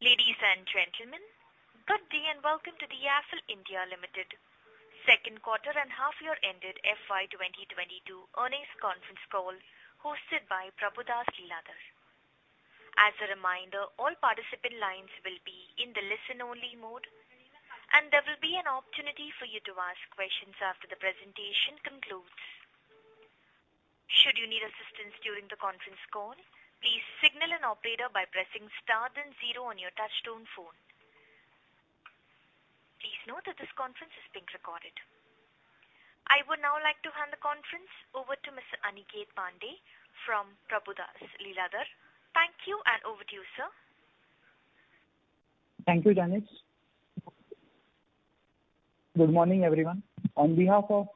Ladies and gentlemen, good day and welcome to the Affle India Limited second quarter and half year ended FY 2022 earnings conference call hosted by Prabhudas Lilladher. As a reminder, all participant lines will be in the listen-only mode, and there will be an opportunity for you to ask questions after the presentation concludes. Should you need assistance during the conference call, please signal an operator by pressing star then zero on your touchtone phone. Please note that this conference is being recorded. I would now like to hand the conference over to Mr. Aniket Pande from Prabhudas Lilladher. Thank you, and over to you, sir. Thank you, Janice. Good morning, everyone. On behalf of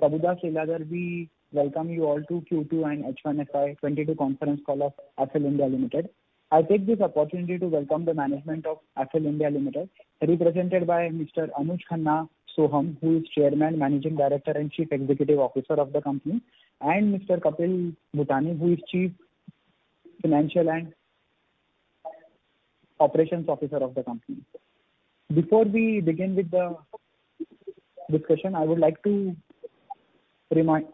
Prabhudas Lilladher, we welcome you all to Q2 and H1 FY 2022 conference call of Affle India Limited. I take this opportunity to welcome the management of Affle India Limited, represented by Mr. Anuj Khanna Sohum, who is Chairman, Managing Director, and Chief Executive Officer of the company, and Mr. Kapil Bhutani, who is Chief Financial and Operations Officer of the company. Before we begin with the discussion, I would like to remind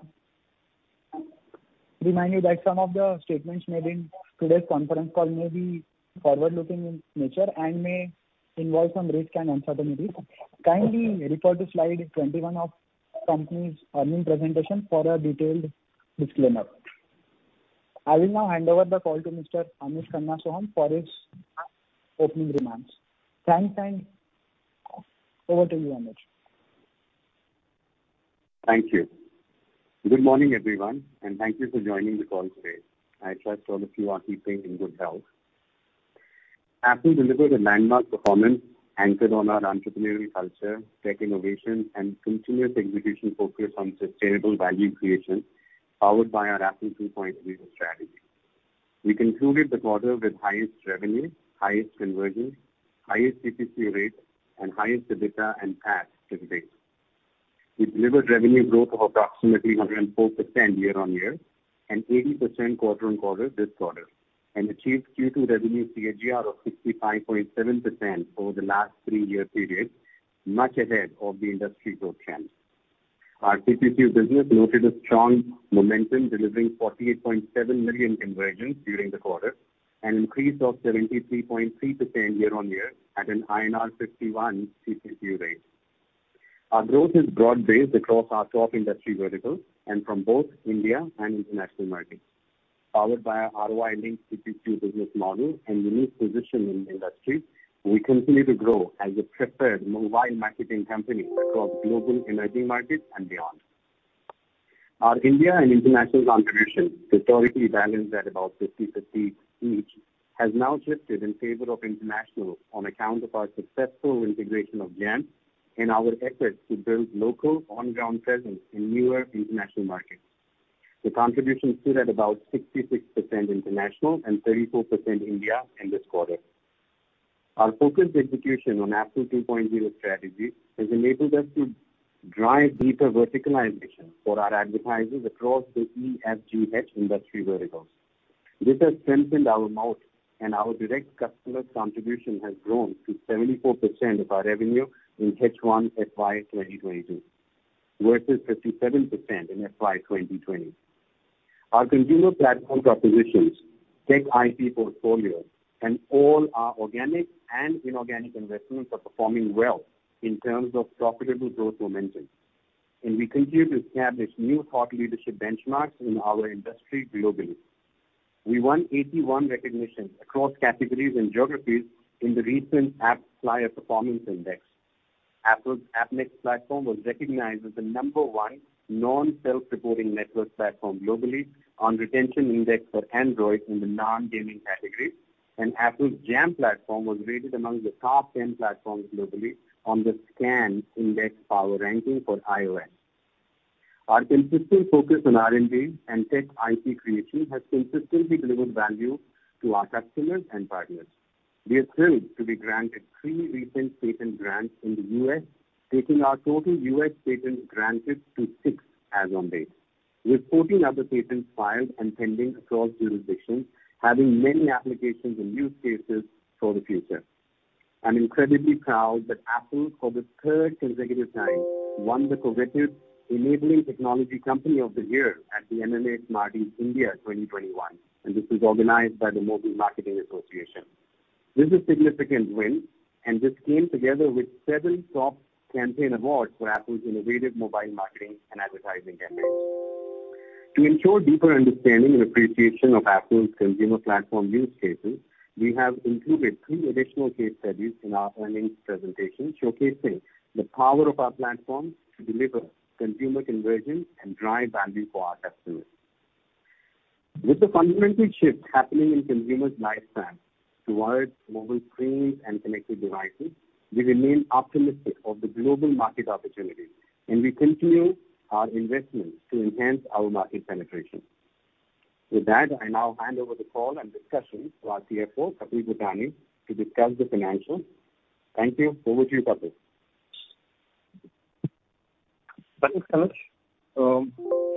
you that some of the statements made in today's conference call may be forward-looking in nature and may involve some risks and uncertainties. Kindly refer to slide 21 of company's earnings presentation for a detailed disclaimer. I will now hand over the call to Mr. Anuj Khanna Sohum for his opening remarks. Thanks, and over to you, Anuj. Thank you. Good morning, everyone, and thank you for joining the call today. I trust all of you are keeping in good health. Affle delivered a landmark performance anchored on our entrepreneurial culture, tech innovation, and continuous execution focused on sustainable value creation, powered by our Affle 2.0 strategy. We concluded the quarter with highest revenue, highest conversions, highest CPC rate, and highest EBITDA and PAT to date. We delivered revenue growth of approximately 104% year-on-year and 80% quarter-on-quarter this quarter, and achieved Q2 revenue CAGR of 65.7% over the last three-year period, much ahead of the industry growth trends. Our CPC business noted a strong momentum, delivering 48.7 million conversions during the quarter, an increase of 73.3% year-on-year at an INR 51 CPC rate. Our growth is broad-based across our top industry verticals and from both India and international markets. Powered by our ROI-linked CPC business model and unique position in the industry, we continue to grow as a preferred mobile marketing company across global emerging markets and beyond. Our India and international contribution, historically balanced at about 50/50 each, has now shifted in favor of international on account of our successful integration of Jampp and our efforts to build local on-ground presence in newer international markets. The contribution stood at about 66% international and 34% India in this quarter. Our focused execution on Affle 2.0 strategy has enabled us to drive deeper verticalization for our advertisers across the EFGH industry verticals. This has strengthened our moat, and our direct customer contribution has grown to 74% of our revenue in H1 FY 2022 versus 57% in FY 2020. Our consumer platform propositions, tech IP portfolio, and all our organic and inorganic investments are performing well in terms of profitable growth momentum, and we continue to establish new thought leadership benchmarks in our industry globally. We won 81 recognitions across categories and geographies in the recent AppsFlyer Performance Index. Affle's Appnext platform was recognized as the number one non-self-reporting network platform globally on retention index for Android in the non-gaming category. Affle's Jampp platform was rated among the top 10 platforms globally on the SKAN Index Power Ranking for iOS. Our consistent focus on R&D and tech IP creation has consistently delivered value to our customers and partners. We are thrilled to be granted 3 recent patent grants in the U.S., taking our total U.S. patents granted to 6 as on date. With 14 other patents filed and pending across jurisdictions, having many applications and use cases for the future. I'm incredibly proud that Affle, for the third consecutive time, won the coveted Enabling Technology Company of the Year at the MMA SMARTIES India 2021, and this was organized by the Mobile Marketing Association. This is significant win, and this came together with 7 top campaign awards for Affle's innovative mobile marketing and advertising campaigns. To ensure deeper understanding and appreciation of Affle's consumer platform use cases, we have included 3 additional case studies in our earnings presentation, showcasing the power of our platforms to deliver consumer conversions and drive value for our customers. With the fundamental shift happening in consumers' lifespans towards mobile screens and connected devices, we remain optimistic of the global market opportunity, and we continue our investments to enhance our market penetration. With that, I now hand over the call and discussion to our CFO, Kapil Bhutani, to discuss the financials. Thank you. Over to you, Kapil. Thanks, Anuj.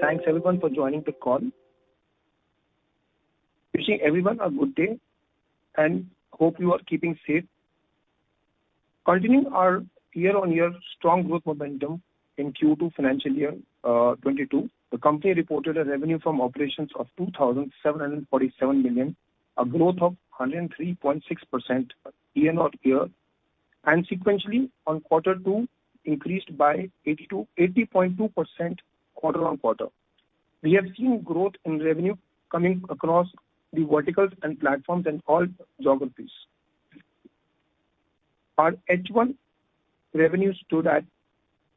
Thanks everyone for joining the call. Wishing everyone a good day, and hope you are keeping safe. Continuing our year-on-year strong growth momentum in Q2 financial year 2022, the company reported a revenue from operations of 2,747 million, a growth of 103.6% year-on-year. Sequentially on quarter two increased by 80%-80.2% quarter-on-quarter. We have seen growth in revenue coming across the verticals and platforms in all geographies. Our H1 revenue stood at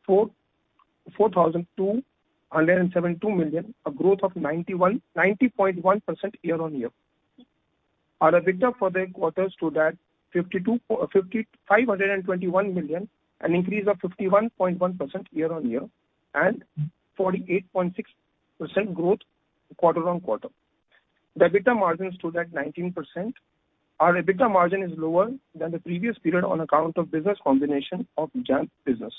4,472 million, a growth of 90.1% year-on-year. Our EBITDA for the quarter stood at 552 million, an increase of 51.1% year-on-year, and 48.6% growth quarter-on-quarter. The EBITDA margin stood at 19%. Our EBITDA margin is lower than the previous period on account of business combination of Jampp business.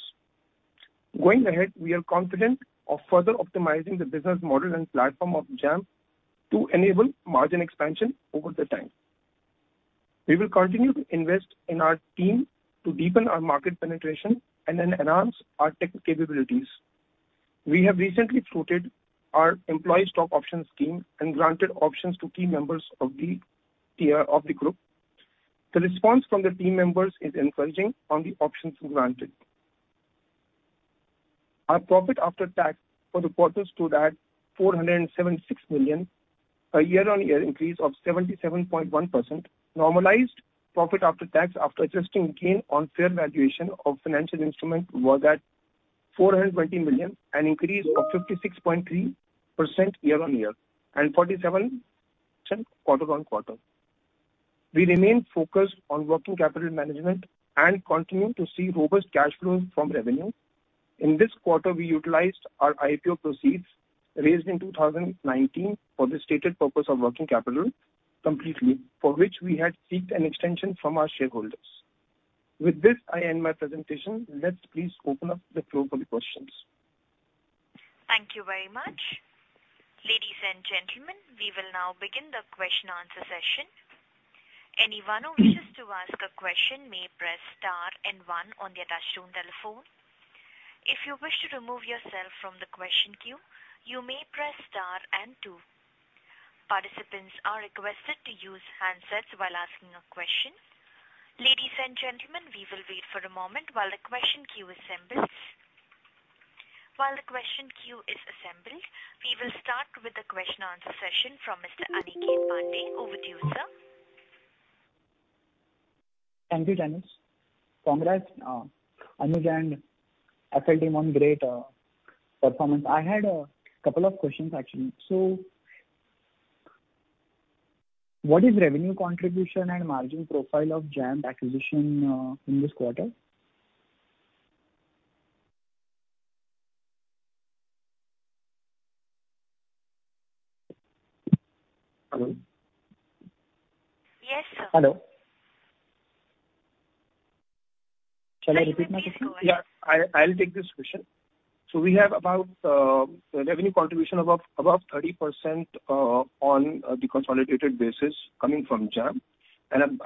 Going ahead, we are confident of further optimizing the business model and platform of Jampp to enable margin expansion over time. We will continue to invest in our team to deepen our market penetration and then enhance our tech capabilities. We have recently floated our employee stock options scheme and granted options to key members of the tier of the group. The response from the team members is encouraging on the options granted. Our profit after tax for the quarter stood at 476 million, a year-over-year increase of 77.1%. Normalized profit after tax after adjusting gain on fair valuation of financial instrument was at 420 million, an increase of 56.3% year-over-year and 47% quarter-over-quarter. We remain focused on working capital management and continue to see robust cash flows from revenue. In this quarter, we utilized our IPO proceeds raised in 2019 for the stated purpose of working capital completely, for which we had sought an extension from our shareholders. With this, I end my presentation. Let's please open up the floor for the questions. Thank you very much. Ladies and gentlemen, we will now begin the question and answer session. Anyone who wishes to ask a question may press star and one on their touchtone telephone. If you wish to remove yourself from the question queue, you may press star and two. Participants are requested to use handsets while asking a question. Ladies and gentlemen, we will wait for a moment while the question queue assembles. While the question queue is assembled, we will start with the question and answer session from Mr. Aniket Pande. Over to you, sir. Thank you, Janice. Congrats, Anuj and Affle team on great performance. I had a couple of questions, actually. What is revenue contribution and margin profile of Jampp acquisition in this quarter? Hello? Yes, sir. Hello. Shall I repeat my question? Yeah, I'll take this question. We have about revenue contribution above 30% on the consolidated basis coming from Jampp and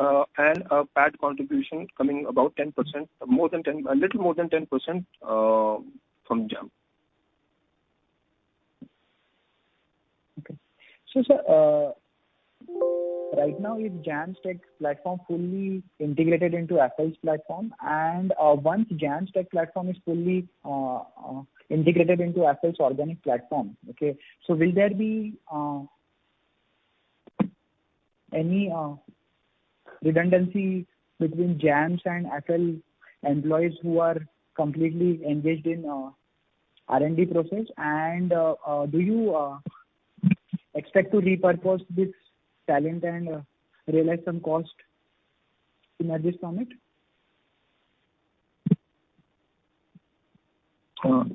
a PAT contribution coming about 10%, more than 10, a little more than 10% from Jampp. Okay. Sir, right now is Jampp's tech platform fully integrated into Affle's platform? Once Jampp's tech platform is fully integrated into Affle's organic platform, will there be any redundancy between Jampp's and Affle employees who are completely engaged in R&D process? Do you expect to repurpose this talent and realize some cost synergies from it?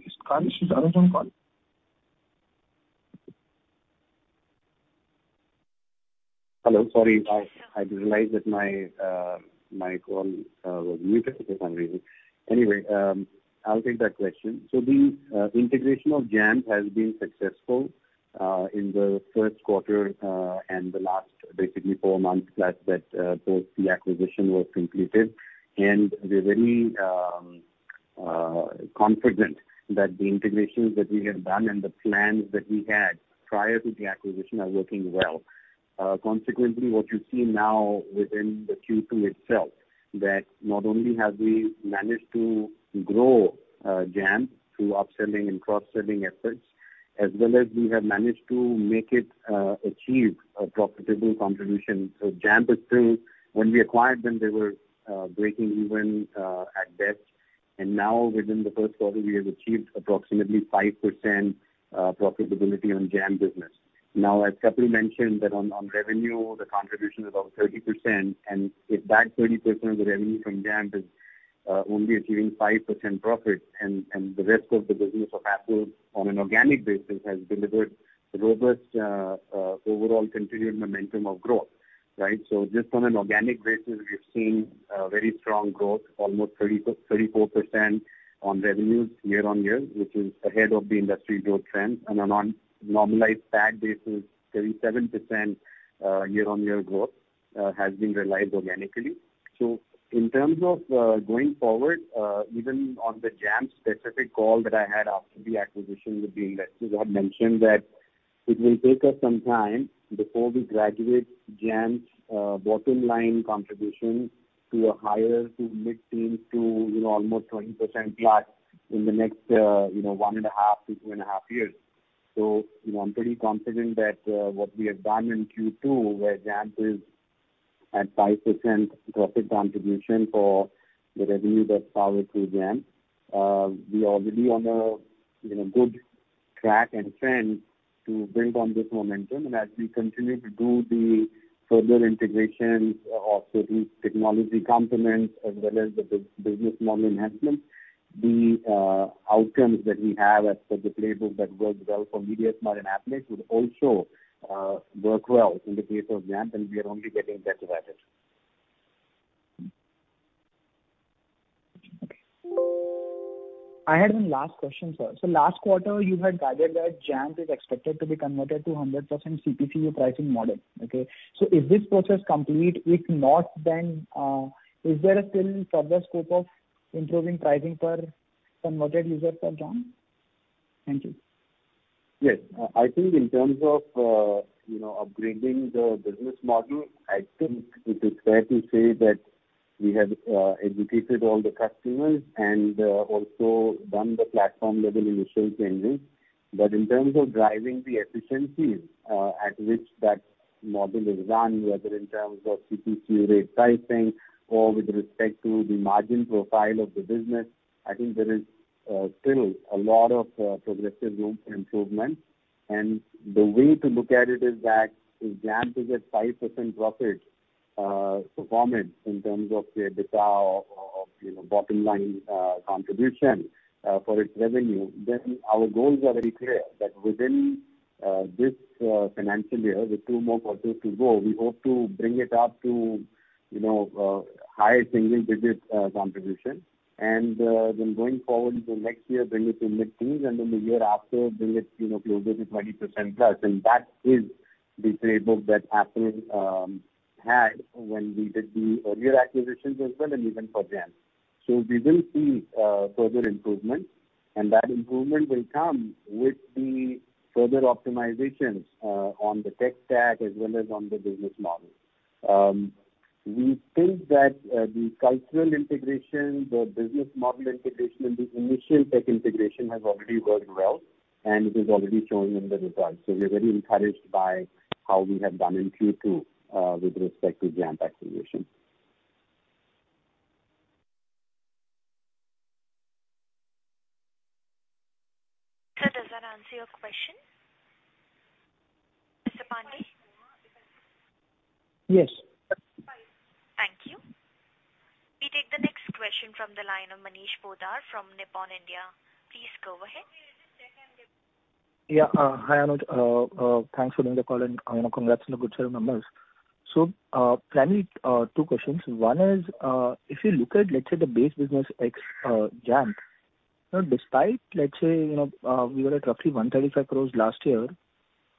Is Manish also on call? Hello, sorry. I didn't realize that my call was muted for some reason. Anyway, I'll take that question. The integration of Jampp has been successful in the first quarter and the last basically 4 months post the acquisition was completed. We're very confident that the integrations that we have done and the plans that we had prior to the acquisition are working well. Consequently, what you see now within the Q2 itself, that not only have we managed to grow Jampp through upselling and cross-selling efforts, as well as we have managed to make it achieve a profitable contribution. When we acquired them, they were breaking even at best. Now within the first quarter, we have achieved approximately 5% profitability on Jampp business. Now, as Kapil mentioned that on revenue, the contribution is about 30%, and if that 30% of the revenue from Jampp is only achieving 5% profit and the rest of the business of Affle on an organic basis has delivered robust overall continued momentum of growth. Right. Just on an organic basis, we've seen very strong growth, almost 34% on revenues year-on-year, which is ahead of the industry growth trend. On a non-normalized tax basis, 37% year-on-year growth has been realized organically. In terms of going forward, even on the Jampp-specific call that I had after the acquisition with the investors, I had mentioned that it will take us some time before we graduate Jampp's bottom line contribution to mid-teens to, you know, almost 20%+ in the next, you know, 1.5-2.5 years. You know, I'm pretty confident that what we have done in Q2, where Jampp is at 5% profit contribution for the revenue that's powered through Jampp, we are really on a, you know, good track and trend to build on this momentum. As we continue to do the further integration of certain technology components as well as the business model enhancements, outcomes that we have as per the playbook that worked well for mediasmart and Appnext would also work well in the case of Jampp, and we are only getting better at it. Okay. I had one last question, sir. Last quarter, you had guided that Jampp is expected to be converted to 100% CPCU pricing model. Okay? Is this process complete? If not, then, is there still further scope of improving pricing per converted user per Jampp? Thank you. Yes. I think in terms of, you know, upgrading the business model, I think it is fair to say that we have educated all the customers and also done the platform level initial changes. In terms of driving the efficiencies at which that model is run, whether in terms of CPC rate pricing or with respect to the margin profile of the business, I think there is still a lot of progressive room for improvement. The way to look at it is that if Jampp is at 5% profit, performance in terms of EBITDA or, you know, bottom line, contribution, for its revenue, then our goals are very clear that within, this, financial year, with 2 more quarters to go, we hope to bring it up to, you know, high single digits, contribution. Then going forward into next year, bring it to mid-teens, and then the year after, bring it, you know, closer to 20% plus. That is the playbook that Appnext, had when we did the earlier acquisitions as well and even for Jampp. We will see, further improvement, and that improvement will come with the further optimizations, on the tech stack as well as on the business model. We think that the cultural integration, the business model integration and the initial tech integration has already worked well, and it is already showing in the results. We are very encouraged by how we have done in Q2 with respect to Jampp acquisition. Sir, does that answer your question? Mr. Pande? Yes. Thank you. We take the next question from the line of Manish Poddar from Nippon India. Please go ahead. Hi, Anuj. Thanks for doing the call and, you know, congrats on the good set of numbers. Primarily, two questions. One is, if you look at, let's say, the base business ex Jampp. Now, despite, let's say, you know, we were at roughly 135 crores last year,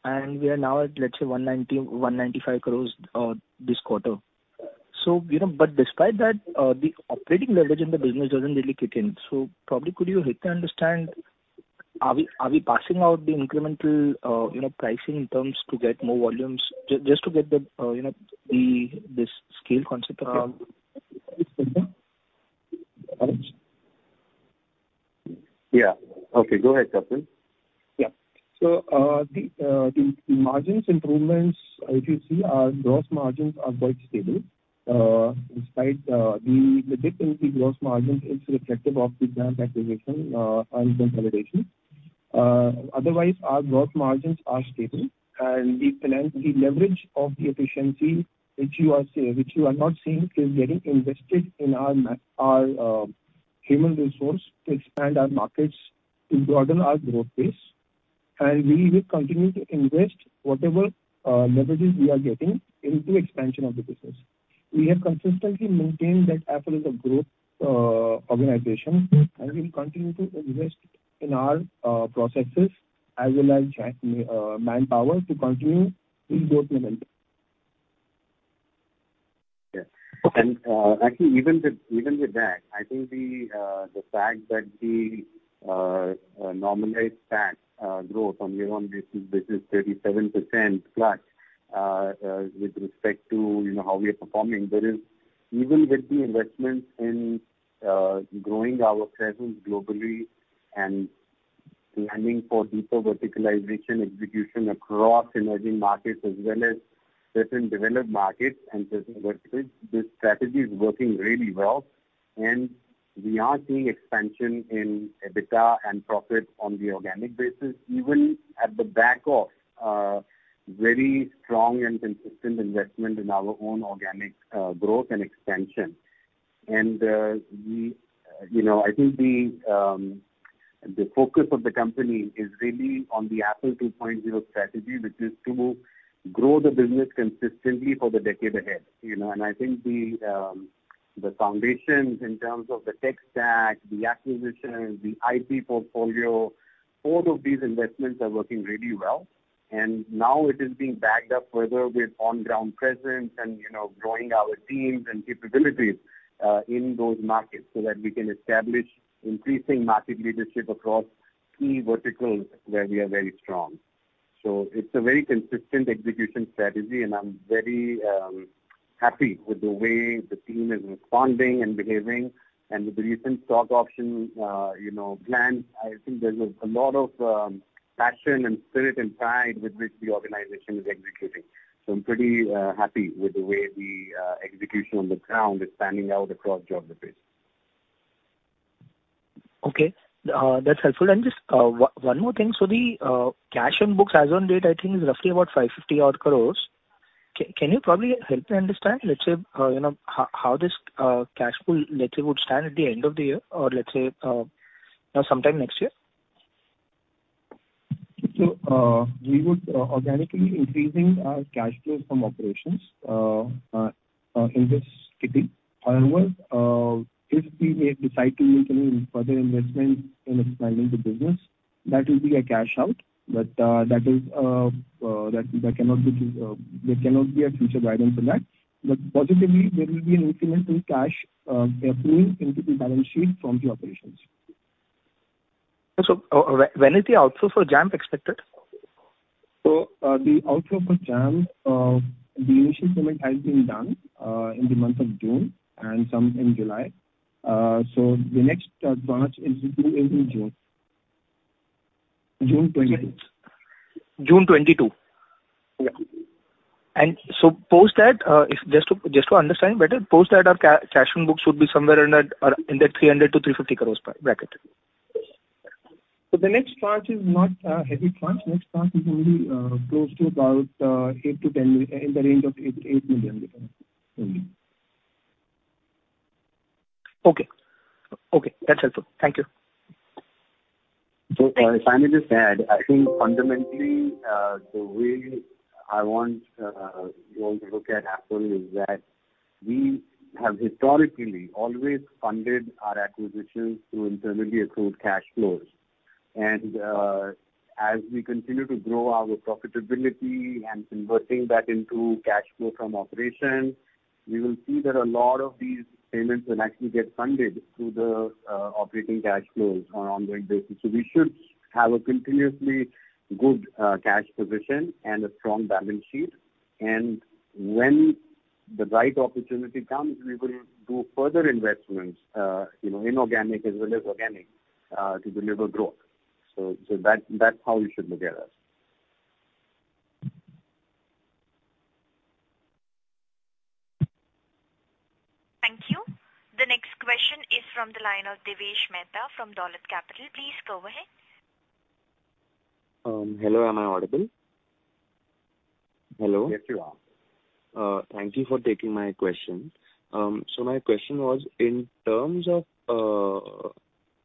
and we are now at, let's say, 190-195 crores this quarter. You know, but despite that, the operating leverage in the business doesn't really kick in. Probably could you help me understand, are we passing on the incremental, you know, pricing in terms to get more volumes just to get the, you know, the, this scale concept around? Yeah. Okay. Go ahead, Kapil. The margin improvements, if you see our gross margins are quite stable, despite the dip in the gross margin is reflective of the Jampp acquisition and consolidation. Otherwise our gross margins are stable, and the leverage of the efficiency which you are not seeing is getting invested in our human resource to expand our markets to broaden our growth base. We will continue to invest whatever leverages we are getting into expansion of the business. We have consistently maintained that Appnext is a growth organization, and we'll continue to invest in our processes as well as manpower to continue the growth momentum. Actually even with that, I think the fact that the normalized PAT growth on a year-over-year basis is 37%+, with respect to, you know, how we are performing, there is even with the investments in growing our presence globally and planning for deeper verticalization execution across emerging markets as well as certain developed markets and certain verticals, this strategy is working really well. We are seeing expansion in EBITDA and profit on the organic basis, even in the backdrop of very strong and consistent investment in our own organic growth and expansion. We, you know, I think the focus of the company is really on the Affle 2.0 strategy, which is to grow the business consistently for the decade ahead, you know. I think the foundations in terms of the tech stack, the acquisitions, the IP portfolio, all of these investments are working really well. Now it is being backed up further with on-ground presence and, you know, growing our teams and capabilities in those markets so that we can establish increasing market leadership across key verticals where we are very strong. It's a very consistent execution strategy, and I'm very happy with the way the team is responding and behaving. With the recent stock option, you know, plan, I think there's a lot of passion and spirit and pride with which the organization is executing. I'm pretty happy with the way the execution on the ground is panning out across geographies. Okay. That's helpful. Just one more thing. The cash on books as on date, I think is roughly about 550 odd crores. Can you probably help me understand, let's say, you know, how this cash pool literally would stand at the end of the year or let's say, you know, sometime next year? We would organically increasing our cash flows from operations in this 50%. If we may decide to make any further investments in expanding the business, that will be a cash out. That is, that cannot be. There cannot be future guidance on that. Positively, there will be an incremental cash flowing into the balance sheet from the operations. When is the outflow for Jampp expected? The outflow for Jampp, the initial payment, has been done in the month of June and some in July. The next batch is due in June 22. June 22? Yeah. Post that, if just to understand better, post that our cash on books should be somewhere in that 300-350 crore bracket. The next tranche is not a heavy tranche. Next tranche is only close to about in the range of 8 million. Okay. That's helpful. Thank you. If I may just add. I think fundamentally, the way I want you all to look at Affle is that we have historically always funded our acquisitions through internally accrued cash flows. As we continue to grow our profitability and converting that into cash flow from operations, we will see that a lot of these payments will actually get funded through the operating cash flows on an ongoing basis. We should have a continuously good cash position and a strong balance sheet. When the right opportunity comes, we will do further investments, you know, inorganic as well as organic to deliver growth. That's how you should look at us. Thank you. The next question is from the line of Divyesh Mehta from Dolat Capital. Please go ahead. Hello, am I audible? Hello? Yes, you are. Thank you for taking my question. So my question was in terms of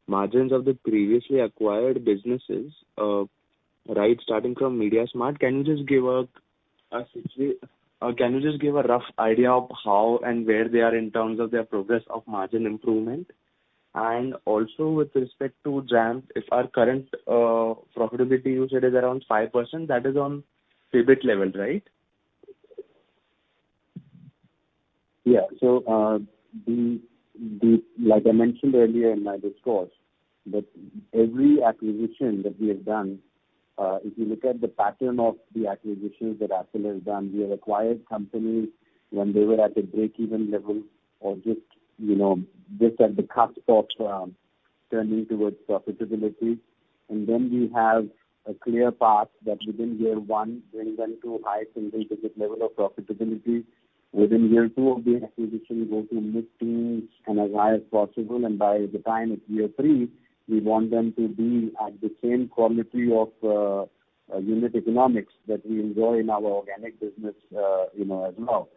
margins of the previously acquired businesses, right, starting from mediasmart, can you just give a rough idea of how and where they are in terms of their progress of margin improvement? Also with respect to Jampp, if our current profitability you said is around 5%, that is on EBIT level, right? Like I mentioned earlier in my discourse, every acquisition that we have done, if you look at the pattern of the acquisitions that Affle has done, we have acquired companies when they were at a breakeven level or just, you know, just at the cusp of turning towards profitability. We have a clear path that within year one brings them to a high single digit level of profitability. Within year two of the acquisition, we go to mid-teens and as high as possible. By the time it's year three, we want them to be at the same quality of unit economics that we enjoy in our organic business, you know, as well.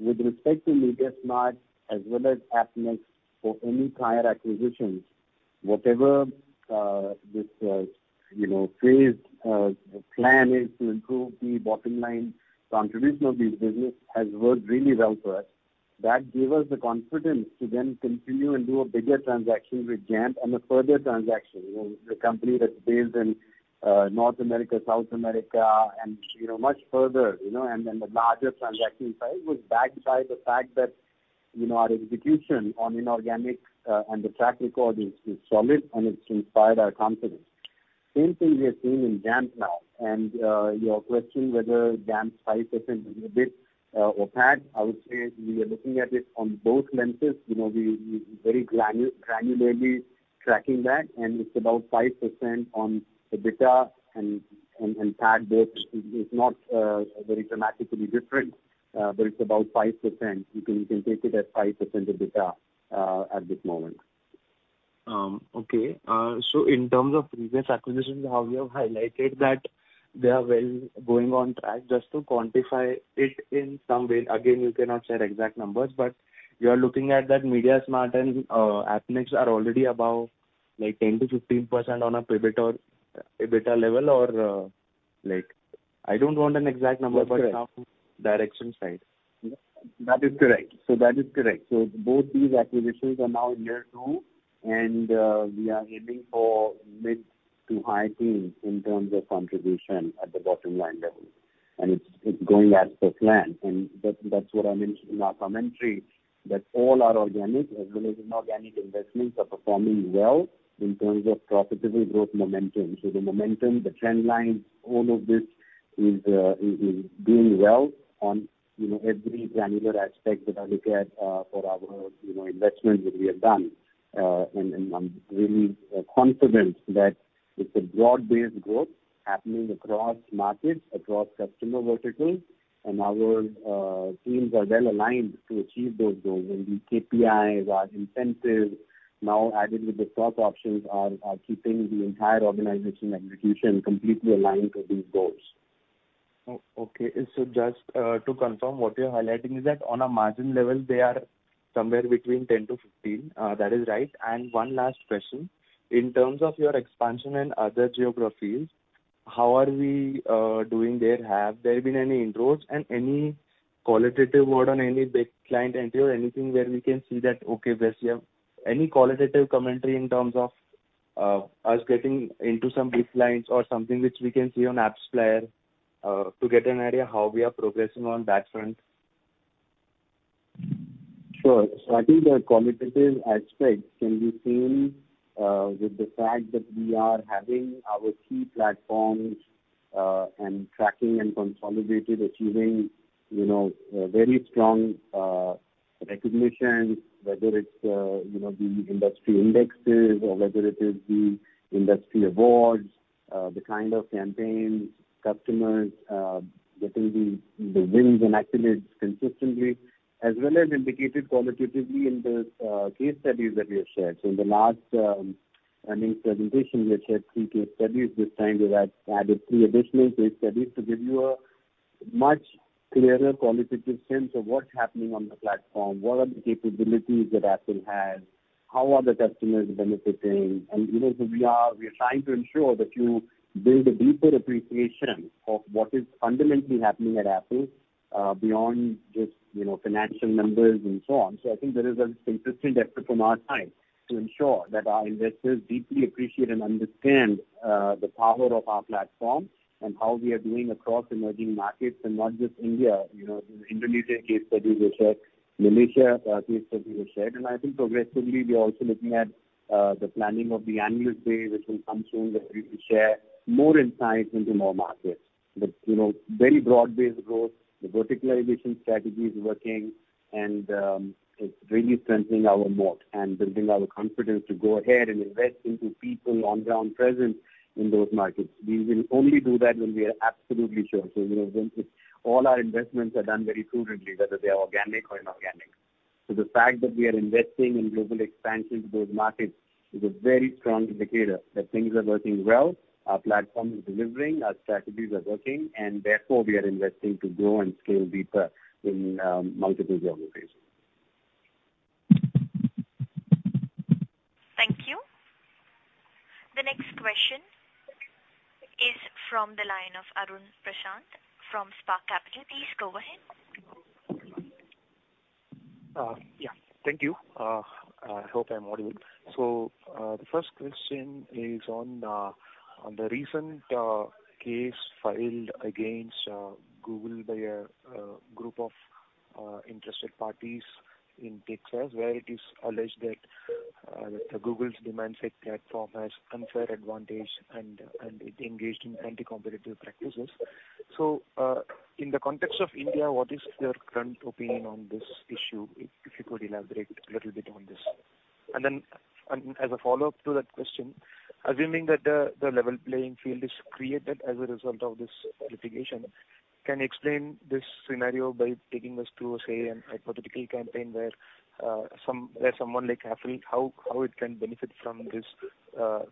With respect to mediasmart as well as Appnext or any prior acquisitions, whatever this you know phase the plan is to improve the bottom line contribution of these business has worked really well for us. That gave us the confidence to then continue and do a bigger transaction with Jampp and a further transaction. You know, the company that's based in North America, South America and you know much further you know and a larger transaction size was backed by the fact that you know our execution on inorganic and the track record is solid and it's inspired our confidence. Same thing we are seeing in Jampp now. Your question whether Jampp's 5% is EBIT or PAT, I would say we are looking at it on both lenses. You know, we very granularly tracking that, and it's about 5% on EBITDA and PAT both. It's not very dramatically different, but it's about 5%. You can take it as 5% EBITDA at this moment. Okay. In terms of previous acquisitions, how you have highlighted that they are well going on track. Just to quantify it in some way, again, you cannot share exact numbers, but you are looking at that mediasmart and Appnext are already above, like 10%-15% on a PAT or EBITDA level or, like I don't want an exact number. That's correct. demand side. That is correct. Both these acquisitions are now year two and we are aiming for mid to high teens in terms of contribution at the bottom line level. It's going as per plan. That's what I mentioned in our commentary, that all our organic as well as inorganic investments are performing well in terms of profitable growth momentum. The momentum, the trend lines, all of this is doing well on, you know, every granular aspect that I look at for our, you know, investments that we have done. I'm really confident that it's a broad-based growth happening across markets, across customer verticals, and our teams are well aligned to achieve those goals. The KPIs, our incentives now added with the stock options are keeping the entire organization and execution completely aligned to these goals. Okay. To confirm, what you're highlighting is that on a margin level they are somewhere between 10%-15%. That is right. One last question. In terms of your expansion in other geographies, how are we doing there? Have there been any inroads and any qualitative word on any big client entry or anything where we can see that, okay, yes, we have any qualitative commentary in terms of us getting into some big clients or something which we can see on AppsFlyer to get an idea how we are progressing on that front? Sure. I think the qualitative aspect can be seen with the fact that we are having our key platforms and tracking and consolidated achieving you know very strong recognition whether it's you know the industry indexes or whether it is the industry awards the kind of campaigns customers getting the wins and accolades consistently as well as indicated qualitatively in those case studies that we have shared. In the last earnings presentation we had shared three case studies. This time we have added three additional case studies to give you a much clearer qualitative sense of what's happening on the platform what are the capabilities that Affle has how are the customers benefiting. You know, so we are trying to ensure that you build a deeper appreciation of what is fundamentally happening at Affle, beyond just, you know, financial numbers and so on. I think there is a consistent effort from our side to ensure that our investors deeply appreciate and understand the power of our platform and how we are doing across emerging markets and not just India. You know, the Indonesia case studies were shared, Malaysia case studies were shared. I think progressively we are also looking at the planning of the analyst day, which will come soon, where we will share more insights into more markets. You know, very broad-based growth. The verticalization strategy is working and it's really strengthening our moat and building our confidence to go ahead and invest into people on-ground presence in those markets. We will only do that when we are absolutely sure. You know, when it's all our investments are done very prudently, whether they are organic or inorganic. The fact that we are investing in global expansion to those markets is a very strong indicator that things are working well, our platform is delivering, our strategies are working, and therefore we are investing to grow and scale deeper in multiple geographies. Thank you. The next question is from the line of Arun Prasath from Spark Capital. Please go ahead. Yeah. Thank you. I hope I'm audible. The first question is on the recent case filed against Google by a group of interested parties in Texas, where it is alleged that Google's Demand-Side Platform has unfair advantage and it engaged in anti-competitive practices. In the context of India, what is your current opinion on this issue? If you could elaborate a little bit on this. As a follow-up to that question, assuming that the level playing field is created as a result of this litigation, can you explain this scenario by taking us through, say, a hypothetical campaign where someone like Appnext how it can benefit from this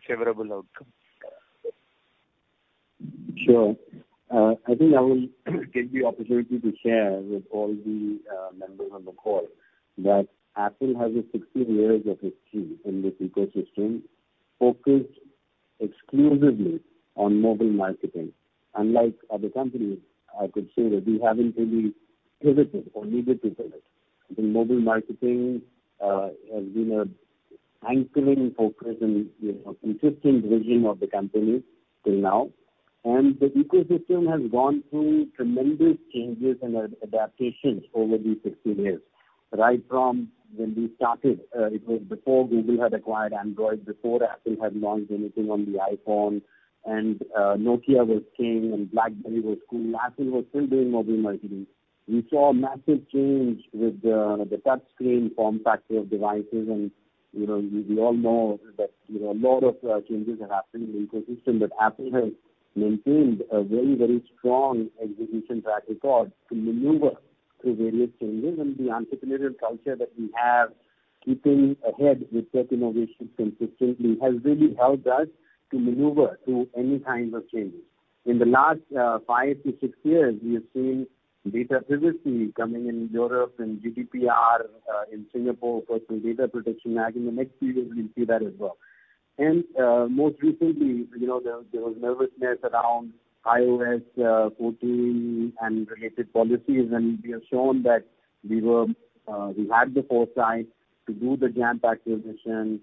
favorable outcome? Sure. I think I will take the opportunity to share with all the members on the call that Affle has 16 years of history in this ecosystem focused exclusively on mobile marketing. Unlike other companies, I could say that we haven't really pivoted or needed to pivot. I think mobile marketing has been an anchoring focus and, you know, consistent vision of the company till now. The ecosystem has gone through tremendous changes and adaptations over these 16 years. Right from when we started, it was before Google had acquired Android, before Apple had launched anything on the iPhone, and Nokia was king and BlackBerry was cool. Affle was still doing mobile marketing. We saw a massive change with the touchscreen form factor of devices. You know, we all know that, you know, a lot of changes have happened in the ecosystem. Apple has maintained a very, very strong execution track record to maneuver through various changes and the entrepreneurial culture that we have, keeping ahead with tech innovation consistently has really helped us to maneuver through any kind of changes. In the last five to six years, we have seen data privacy coming in Europe and GDPR in Singapore, Personal Data Protection Act. In the next few years, we'll see that as well. Most recently, you know, there was nervousness around iOS 14 and related policies, and we have shown that we had the foresight to do the Jampp acquisition.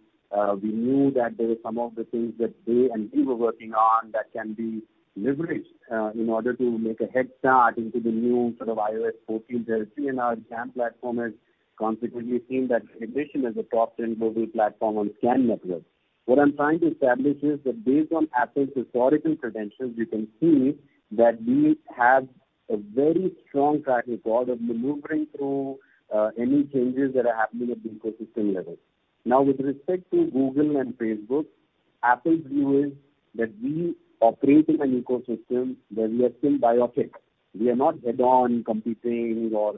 We knew that there were some of the things that they and we were working on that can be leveraged in order to make a head start into the new sort of iOS 14. You'll see that our Jampp platform has consequently seen that recognition as a top 10 mobile platform on SKAN networks. What I'm trying to establish is that based on Apple's historical credentials, you can see that we have a very strong track record of maneuvering through any changes that are happening at the ecosystem level. Now, with respect to Google and Facebook, Apple's view is that we operate in an ecosystem where we are still symbiotic. We are not head-on competing or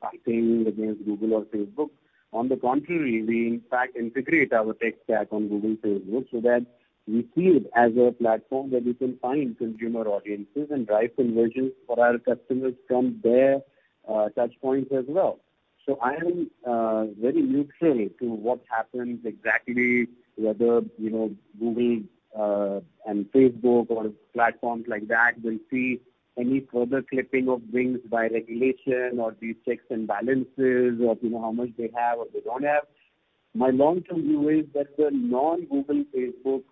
fighting against Google or Facebook. On the contrary, we in fact integrate our tech stack on Google, Facebook, so that we see it as a platform where we can find consumer audiences and drive conversions for our customers from their touch points as well. So I am very neutral to what happens exactly, whether, you know, Google and Facebook or platforms like that will see any further clipping of wings by regulation or these checks and balances of, you know, how much they have or they don't have. My long-term view is that the non-Google, Facebook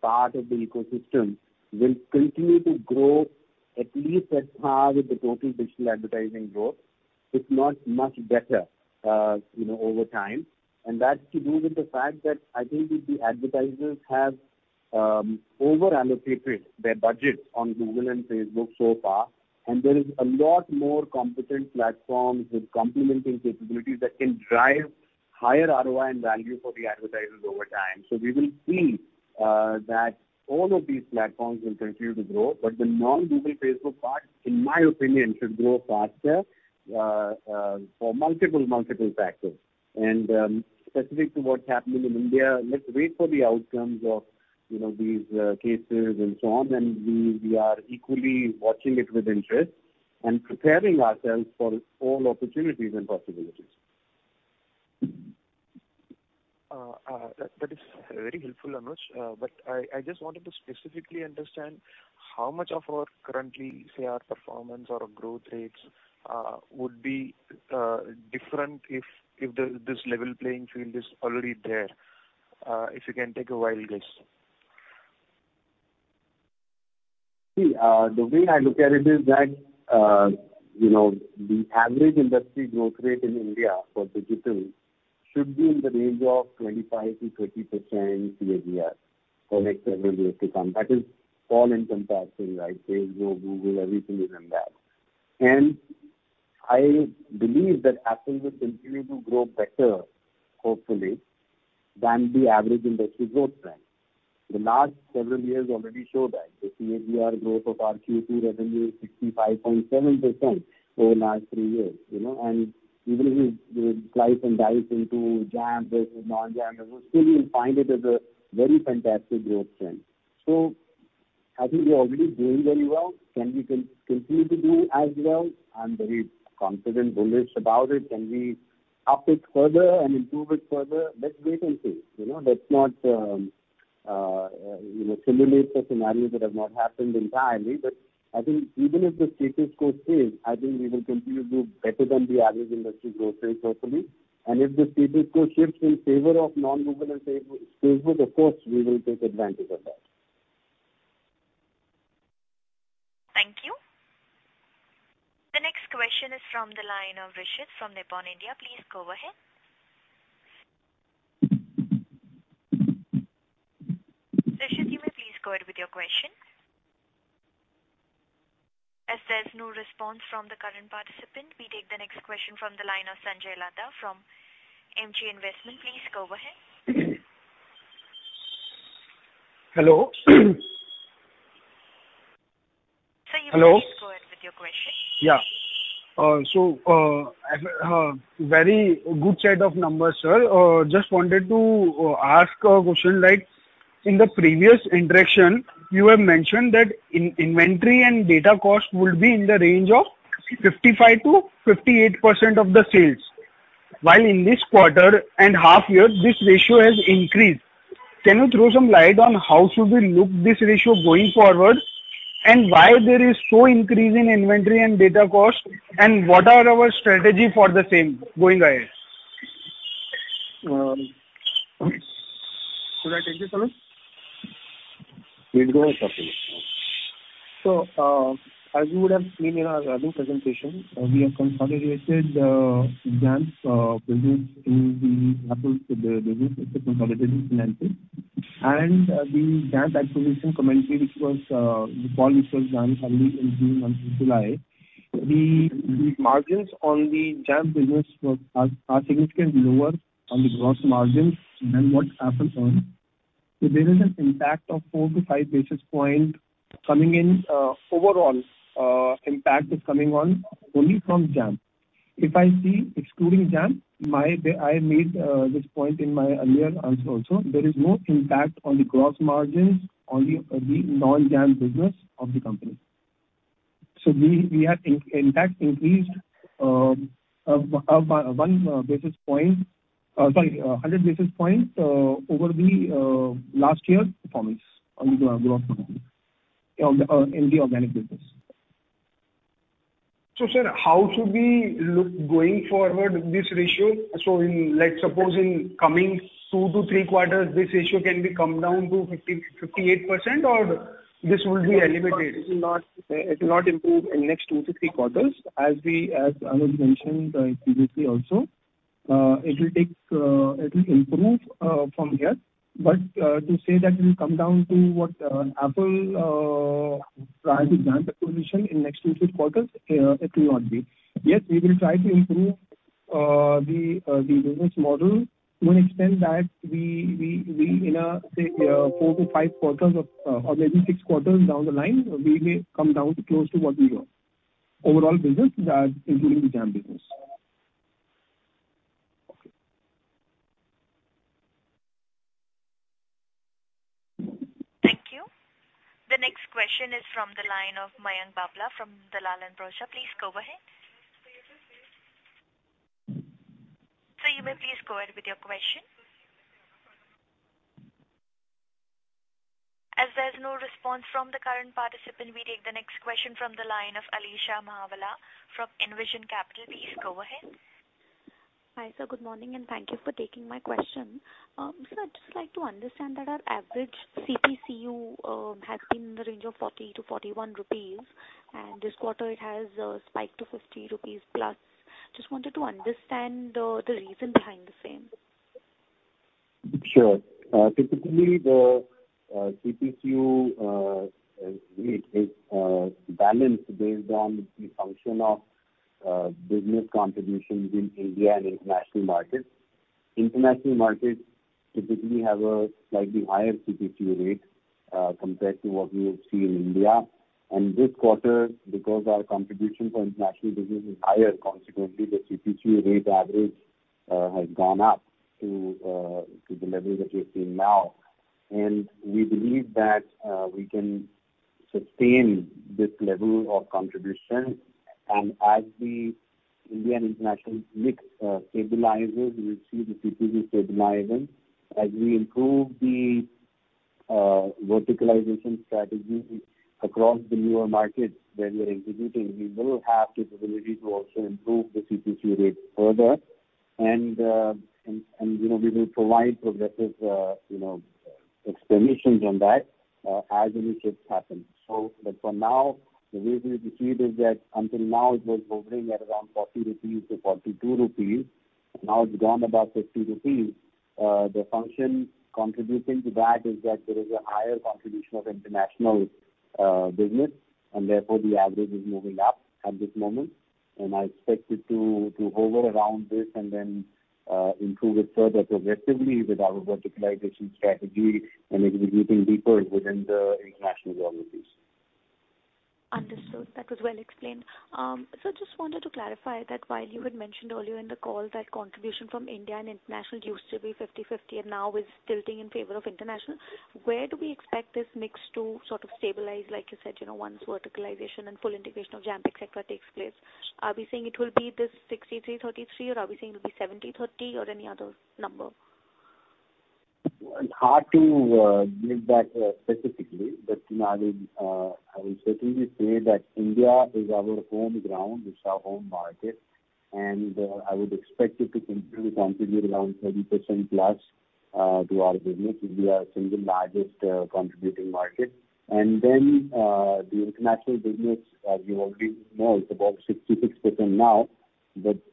part of the ecosystem will continue to grow at least at par with the total digital advertising growth, if not much better, you know, over time. That's to do with the fact that I think the advertisers have over-allocated their budgets on Google and Facebook so far, and there is a lot more complementary platforms with complementing capabilities that can drive higher ROI and value for the advertisers over time. We will see that all of these platforms will continue to grow, but the non-Google, Facebook part, in my opinion, should grow faster for multiple factors. Specific to what's happening in India, let's wait for the outcomes of you know these cases and so on, and we are equally watching it with interest and preparing ourselves for all opportunities and possibilities. That is very helpful, Anuj. But I just wanted to specifically understand how much of our currently, say, our performance or our growth rates would be different if this level playing field is already there, if you can take a wild guess? See, the way I look at it is that, you know, the average industry growth rate in India for digital should be in the range of 25%-30% CAGR for next several years to come. That is all encompassing, right? Facebook, Google, everything is in that. I believe that Affle will continue to grow better, hopefully, than the average industry growth trend. The last several years already show that. The CAGR growth of our Q2 revenue is 65.7% over last three years, you know. Even if you slice and dice into Jampp versus non-Jampp, you still will find it as a very fantastic growth trend. I think we're already doing very well. Can we continue to do as well? I'm very confident, bullish about it. Can we up it further and improve it further? Let's wait and see. You know, let's not simulate a scenario that has not happened entirely. I think even if the status quo stays, we will continue to do better than the average industry growth rate, hopefully. If the status quo shifts in favor of non-Google and Facebook, of course, we will take advantage of that. Thank you. The next question is from the line of Rishit from Nippon India. Please go ahead. Rishit, you may please go ahead with your question. As there's no response from the current participant, we take the next question from the line of Sanjay Latta from MG Investment. Please go ahead. Hello. Sir, you may- Hello. Please go ahead with your question. Very good set of numbers, sir. Just wanted to ask a question, like, in the previous interaction, you have mentioned that inventory and data cost will be in the range of 55%-58% of the sales, while in this quarter and half year, this ratio has increased. Can you throw some light on how should we look this ratio going forward, and why there is such an increase in inventory and data cost, and what are our strategy for the same going ahead? Could I take this one? We'll go with Anuj. As you would have seen in our earnings presentation, we have consolidated Jampp's business into the Affle business. It's consolidated financials. The Jampp acquisition completed, which was the deal which was done early in June until July. The margins on the Jampp business are significantly lower on the gross margins than what Affle's earn. There is an impact of 4-5 basis points coming in, overall impact is coming on only from Jampp. If I see excluding Jampp, I made this point in my earlier answer also, there is no impact on the gross margins on the non-Jampp business of the company. We have net impact increased up by 1 basis point. Sorry, 100 basis points over last year's performance on the gross margin in the organic business. Sir, how should we look going forward this ratio? In, like, suppose in coming 2-3 quarters, this ratio can be come down to 50-58%, or this will be elevated? It will not improve in the next two to three quarters. As Anuj Khanna Sohum mentioned previously also, it will improve from here. To say that it will come down to what Apple prior to Jampp acquisition in the next two to three quarters, it will not be. Yes, we will try to improve the business model to an extent that we, in, say, four to five quarters or maybe six quarters down the line, we may come down to close to what we were. Overall business that including the Jampp business. Okay. Thank you. The next question is from the line of Mayank Babla from Dalal & Broacha. Please go ahead. Sir, you may please go ahead with your question. As there's no response from the current participant, we take the next question from the line of Alisha Mahawla from Envision Capital. Please go ahead. Hi, sir. Good morning, and thank you for taking my question. Sir, I'd just like to understand that our average CPCU has been in the range of 40-41 rupees, and this quarter it has spiked to 50+ rupees. Just wanted to understand the reason behind the same. Sure. Typically the CPCU rate is balanced based on the function of business contributions in India and international markets. International markets typically have a slightly higher CPCU rate compared to what we would see in India. This quarter, because our contribution from international business is higher, consequently the CPCU rate average has gone up to the level that you're seeing now. We believe that we can sustain this level of contribution. As the India and international mix stabilizes, we will see the CPCU stabilizing. As we improve the verticalization strategy across the newer markets where we are executing, we will have the ability to also improve the CPCU rate further. You know, we will provide progressive you know explanations on that as and when it happens. For now, the way we see it is that until now it was hovering at around 40-42 rupees, and now it's gone above 50 rupees. The factor contributing to that is that there is a higher contribution of international business, and therefore the average is moving up at this moment. I expect it to hover around this and then improve it further progressively with our verticalization strategy and executing deeper within the international geographies. Understood. That was well explained. Just wanted to clarify that while you had mentioned earlier in the call that contribution from India and international used to be 50/50 and now is tilting in favor of international, where do we expect this mix to sort of stabilize? Like you said, you know, once verticalization and full integration of Jampp, et cetera, takes place. Are we saying it will be this 63/37 or are we saying it'll be 70/30 or any other number? It's hard to give that specifically. You know, I would certainly say that India is our home ground, it's our home market, and I would expect it to continue to contribute around 30%+ to our business. It'll be our single largest contributing market. The international business, you already know it's above 66% now.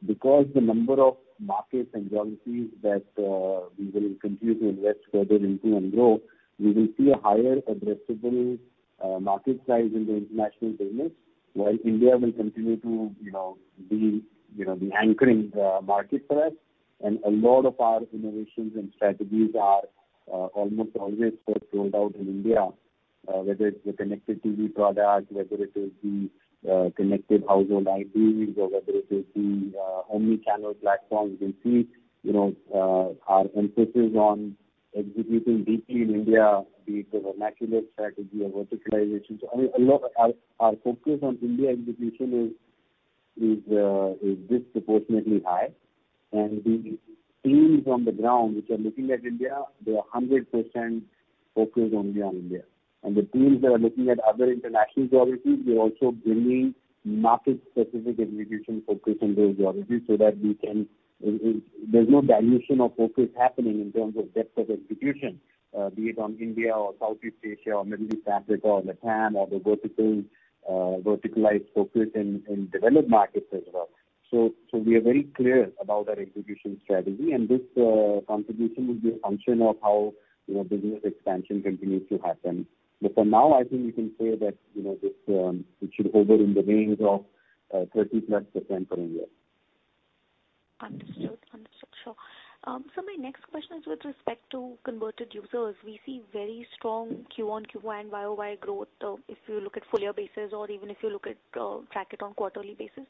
Because the number of markets and geographies that we will continue to invest further into and grow, we will see a higher addressable market size in the international business, while India will continue to, you know, you know, be anchoring market for us. A lot of our innovations and strategies are almost always first rolled out in India, whether it's the connected TV products, whether it is the connected household IPs, or whether it is the omnichannel platforms. You will see, you know, our emphasis on executing deeply in India, be it the vernacular strategy or verticalization. A lot. Our focus on India execution is disproportionately high. The teams on the ground which are looking at India, they are 100% focused only on India. The teams that are looking at other international geographies, they're also bringing market-specific execution focus in those geographies so that we can. There's no dilution of focus happening in terms of depth of execution, be it on India or Southeast Asia or Middle East, Africa or LATAM or the verticals, verticalized focus in developed markets as well. We are very clear about our execution strategy. This contribution will be a function of how, you know, business expansion continues to happen. For now, I think we can say that, you know, this it should hover in the range of 30%+ for India. Understood. Sure. My next question is with respect to converted users. We see very strong quarter-on-quarter and year-over-year growth, if you look at full-year basis or even if you look at, track it on quarterly basis.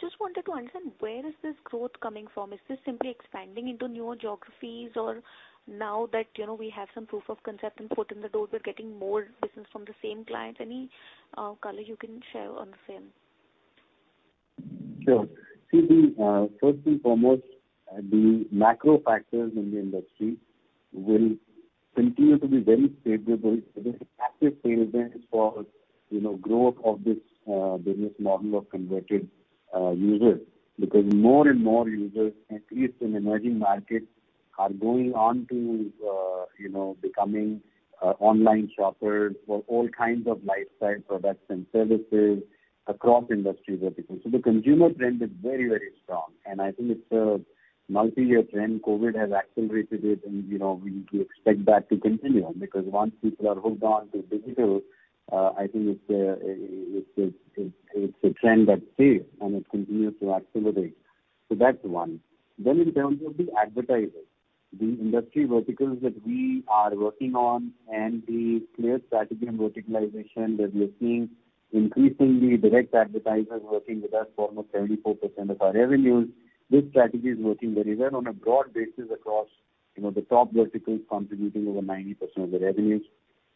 Just wanted to understand where is this growth coming from? Is this simply expanding into newer geographies? Or now that, you know, we have some proof of concept and foot in the door, we're getting more business from the same clients? Any color you can share on the same. Sure. See, the first and foremost, the macro factors in the industry will continue to be very favorable. There's a positive tailwind for, you know, growth of this business model of connected users, because more and more users, at least in emerging markets, are going on to, you know, becoming online shoppers for all kinds of lifestyle products and services across industry verticals. The consumer trend is very, very strong, and I think it's a multi-year trend. COVID has accelerated it and, you know, we need to expect that to continue. Because once people are hooked on to digital, I think it's a trend that's here and it continues to accelerate. That's one. In terms of the advertisers, the industry verticals that we are working on and the clear strategy and verticalization that we are seeing, increasingly direct advertisers working with us form 74% of our revenues. This strategy is working very well on a broad basis across, you know, the top verticals contributing over 90% of the revenues.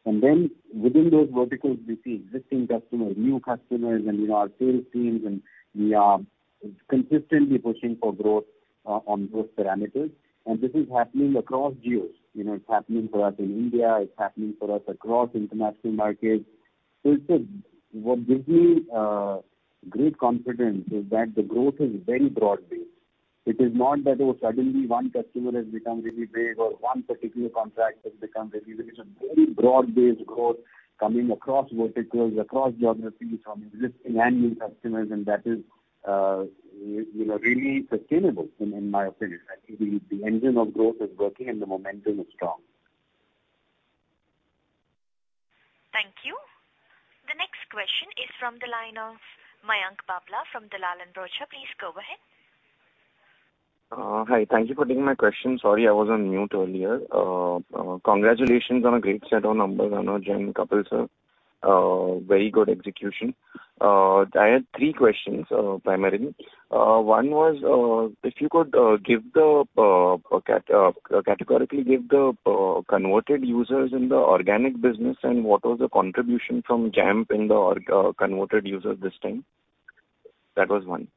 Within those verticals, we see existing customers, new customers, and, you know, our sales teams, and we are consistently pushing for growth on those parameters. This is happening across geos. You know, it's happening for us in India. It's happening for us across international markets. What gives me great confidence is that the growth is very broad-based. It is not that suddenly one customer has become really big or one particular contract has become really big. It's a very broad-based growth coming across verticals, across geographies, from existing and new customers, and that is, you know, really sustainable in my opinion. I think the engine of growth is working and the momentum is strong. Thank you. The next question is from the line of Mayank Babla from Dalal & Broacha. Please go ahead. Hi. Thank you for taking my question. Sorry, I was on mute earlier. Congratulations on a great set of numbers. I know [Jen], Kapil, sir. Very good execution. I had three questions, primarily. One was, if you could give the categorically converted users in the organic business and what was the contribution from Jampp in the converted users this time. That was one.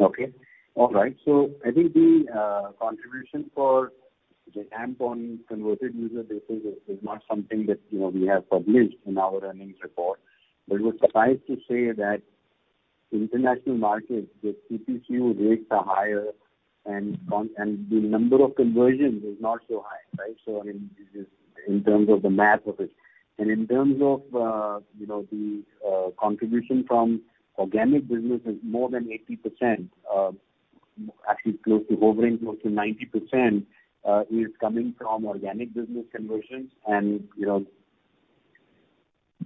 Okay. All right. I think the contribution for the Jampp on converted user basis is not something that, you know, we have published in our earnings report. Suffice to say that international markets, the CPCU rates are higher and the number of conversions is not so high, right? In terms of the math of it. In terms of the contribution from organic business is more than 80%, actually close to hovering close to 90%, is coming from organic business conversions and, you know,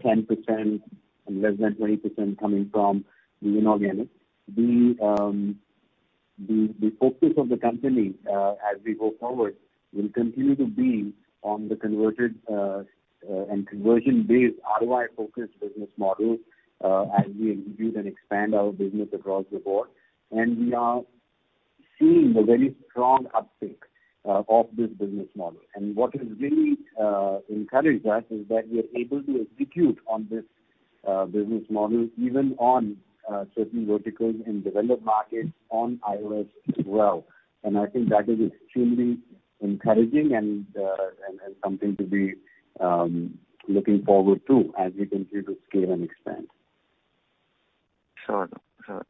10% and less than 20% coming from the inorganic. The focus of the company, as we go forward, will continue to be on the converted and conversion-based ROI-focused business model, as we execute and expand our business across the board. We are seeing a very strong uptake of this business model. What has really encouraged us is that we are able to execute on this business model even on certain verticals in developed markets on iOS as well. I think that is extremely encouraging and something to be looking forward to as we continue to scale and expand. Sure.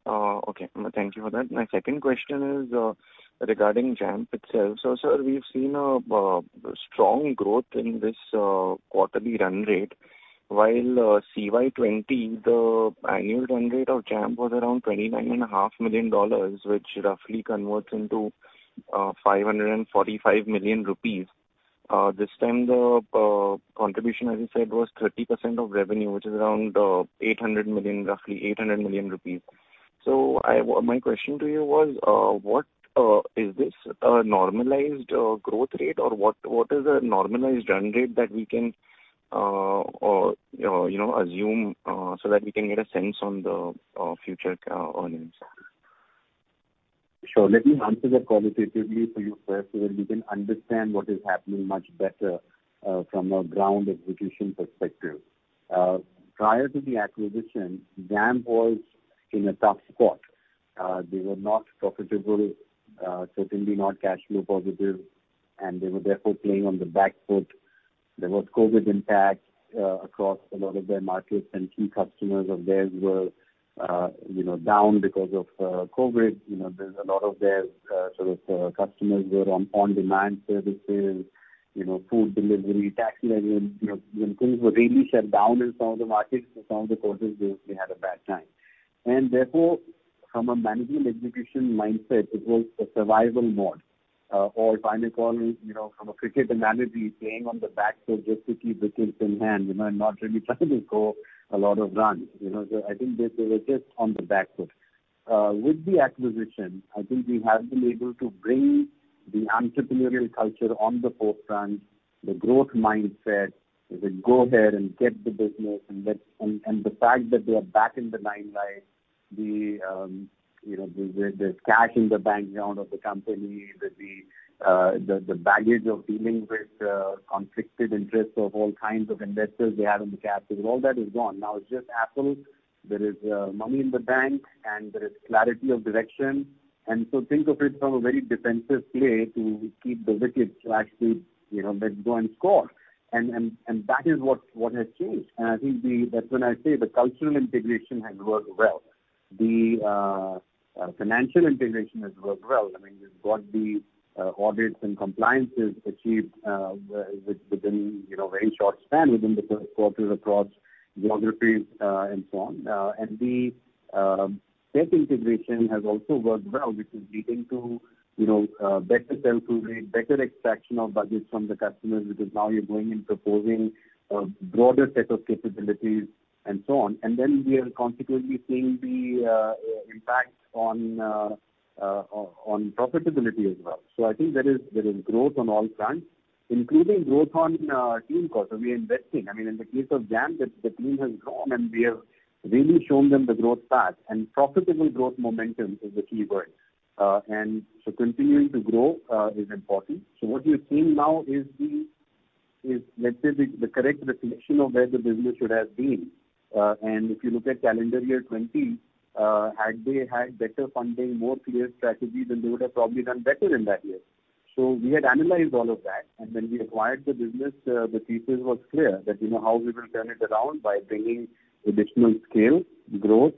Okay. Thank you for that. My second question is regarding Jampp itself. Sir, we've seen a strong growth in this quarterly run rate. While CY 2020, the annual run rate of Jampp was around $29.5 million, which roughly converts into 545 million rupees. This time the contribution, as you said, was 30% of revenue, which is around 800 million, roughly 800 million rupees. My question to you was what is this normalized growth rate, or what is the normalized run rate that we can or you know assume so that we can get a sense on the future earnings? Sure. Let me answer that qualitatively for you first, so that you can understand what is happening much better, from a ground execution perspective. Prior to the acquisition, Jampp was in a tough spot. They were not profitable, certainly not cash flow positive, and they were therefore playing on the back foot. There was COVID impact, across a lot of their markets, and key customers of theirs were, you know, down because of, COVID. You know, there's a lot of their, sort of, customers were on on-demand services, you know, food delivery, taxi delivery. You know, when things were really shut down in some of the markets, in some of the countries, they obviously had a bad time. Therefore, from a management execution mindset, it was a survival mode. Overall, you know, from a cricket analogy, playing on the back foot just to keep the wickets in hand, you know, and not really trying to score a lot of runs, you know. I think they were just on the back foot. With the acquisition, I think we have been able to bring the entrepreneurial culture on the forefront, the growth mindset, the go ahead and get the business and let. The fact that they are back in the black, you know, the cash in the bank now of the company, the baggage of dealing with conflicted interests of all kinds of investors they had in the past. All that is gone. Now, it's just Affle. There is money in the bank, and there is clarity of direction. Think of it from a very defensive play to keep the wickets to actually, you know, let's go and score. That is what has changed. I think that's when I say the cultural integration has worked well. The financial integration has worked well. I mean, we've got the audits and compliances achieved within, you know, very short span within the first quarter across geographies, and so on. The tech integration has also worked well, which is leading to, you know, better sell-through rate, better extraction of budgets from the customers, because now you're going and proposing a broader set of capabilities, and so on. Then we are consequently seeing the impact on profitability as well. I think there is growth on all fronts, including growth on team costs. We are investing. I mean, in the case of Jampp, the team has grown, and we have really shown them the growth path. Profitable growth momentum is the keyword. Continuing to grow is important. What you're seeing now is, let's say, the correct reflection of where the business should have been. If you look at calendar year 2020, had they had better funding, more clear strategy, then they would have probably done better in that year. We had analyzed all of that, and when we acquired the business, the thesis was clear that, you know, how we will turn it around by bringing additional scale, growth,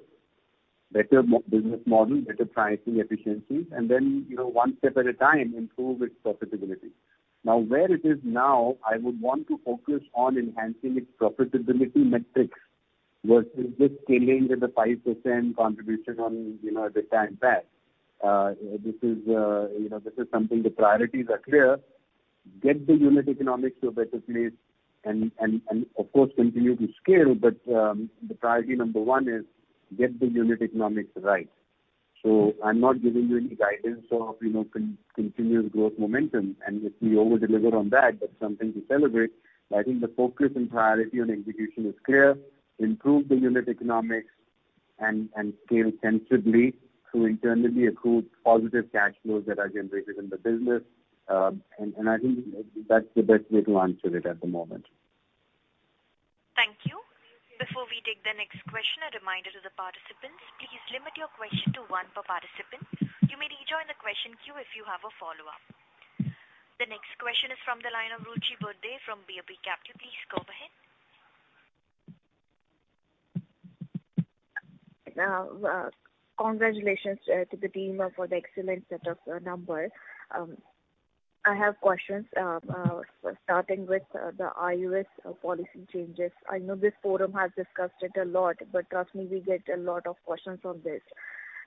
better business model, better pricing efficiency, and then, you know, one step at a time, improve its profitability. Now, where it is now, I would want to focus on enhancing its profitability metrics versus just scaling with a 5% contribution on, you know, at a time back. You know, this is something the priorities are clear. Get the unit economics to a better place and, of course, continue to scale. But the priority number 1 is get the unit economics right. I'm not giving you any guidance of, you know, continuous growth momentum. If we over-deliver on that's something to celebrate. I think the focus and priority on execution is clear. Improve the unit economics and scale sensibly to internally accrue positive cash flows that are generated in the business. I think that's the best way to answer it at the moment. Thank you. Before we take the next question, a reminder to the participants, please limit your question to one per participant. You may rejoin the question queue if you have a follow-up. The next question is from the line of Ruchi Bhurde from BP Capital. Please go ahead. Congratulations to the team for the excellent set of numbers. I have questions starting with the iOS policy changes. I know this forum has discussed it a lot, but trust me, we get a lot of questions on this.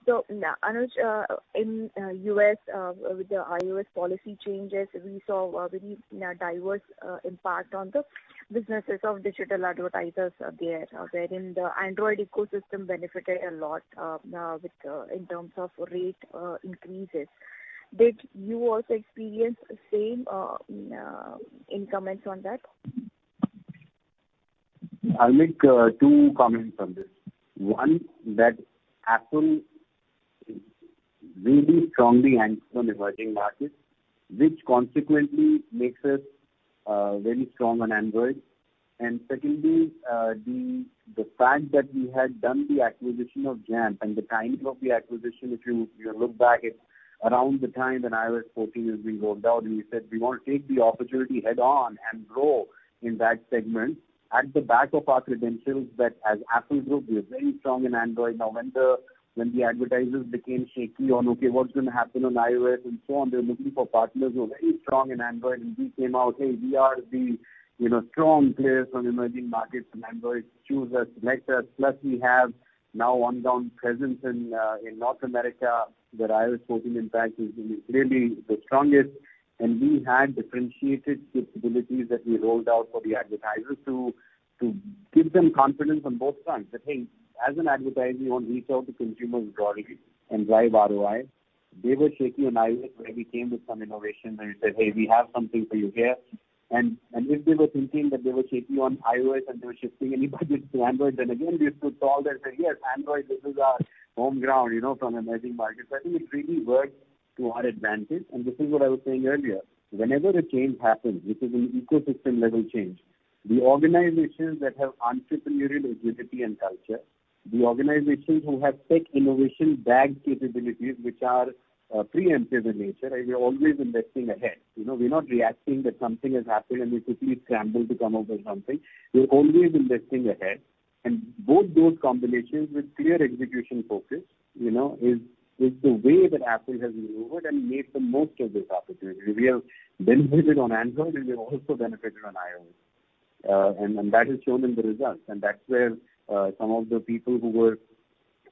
Anuj, in the U.S. with the iOS policy changes, we saw a very diverse impact on the businesses of digital advertisers there, wherein the Android ecosystem benefited a lot in terms of rate increases. Did you also experience the same, any comments on that? I'll make two comments on this. One, that Affle is really strongly anchored on emerging markets, which consequently makes us very strong on Android. Secondly, the fact that we had done the acquisition of Jampp and the timing of the acquisition, if you look back, it's around the time when iOS 14 was being rolled out, and we said we want to take the opportunity head on and grow in that segment. At the back of our credentials that as Affle group, we are very strong in Android. Now, when the advertisers became shaky on, okay, what's gonna happen on iOS and so on, they were looking for partners who are very strong in Android, and we came out, "Hey, we are the, you know, strong players on emerging markets and Android. Choose us, select us." Plus we have now on ground presence in North America, where iOS 14 impact is really the strongest. We had differentiated capabilities that we rolled out for the advertisers to give them confidence on both fronts. That, hey, as an advertiser, you want to reach out to consumers broadly and drive ROI. They were shaky on iOS, where we came with some innovations and said, "Hey, we have something for you here." If they were thinking that they were shaky on iOS and they were shifting any budgets to Android, then again we stood tall and said, "Yes, Android, this is our home ground, you know, from emerging markets." I think it really worked to our advantage. This is what I was saying earlier. Whenever a change happens, which is an ecosystem level change, the organizations that have entrepreneurial agility and culture, the organizations who have tech innovation bag capabilities which are preemptive in nature, and we are always investing ahead. You know, we're not reacting that something has happened, and we quickly scramble to come up with something. We're always investing ahead. Both those combinations with clear execution focus, you know, is the way that Apple has maneuvered and made the most of this opportunity. We have benefited on Android, and we have also benefited on iOS. That is shown in the results. That's where some of the people who were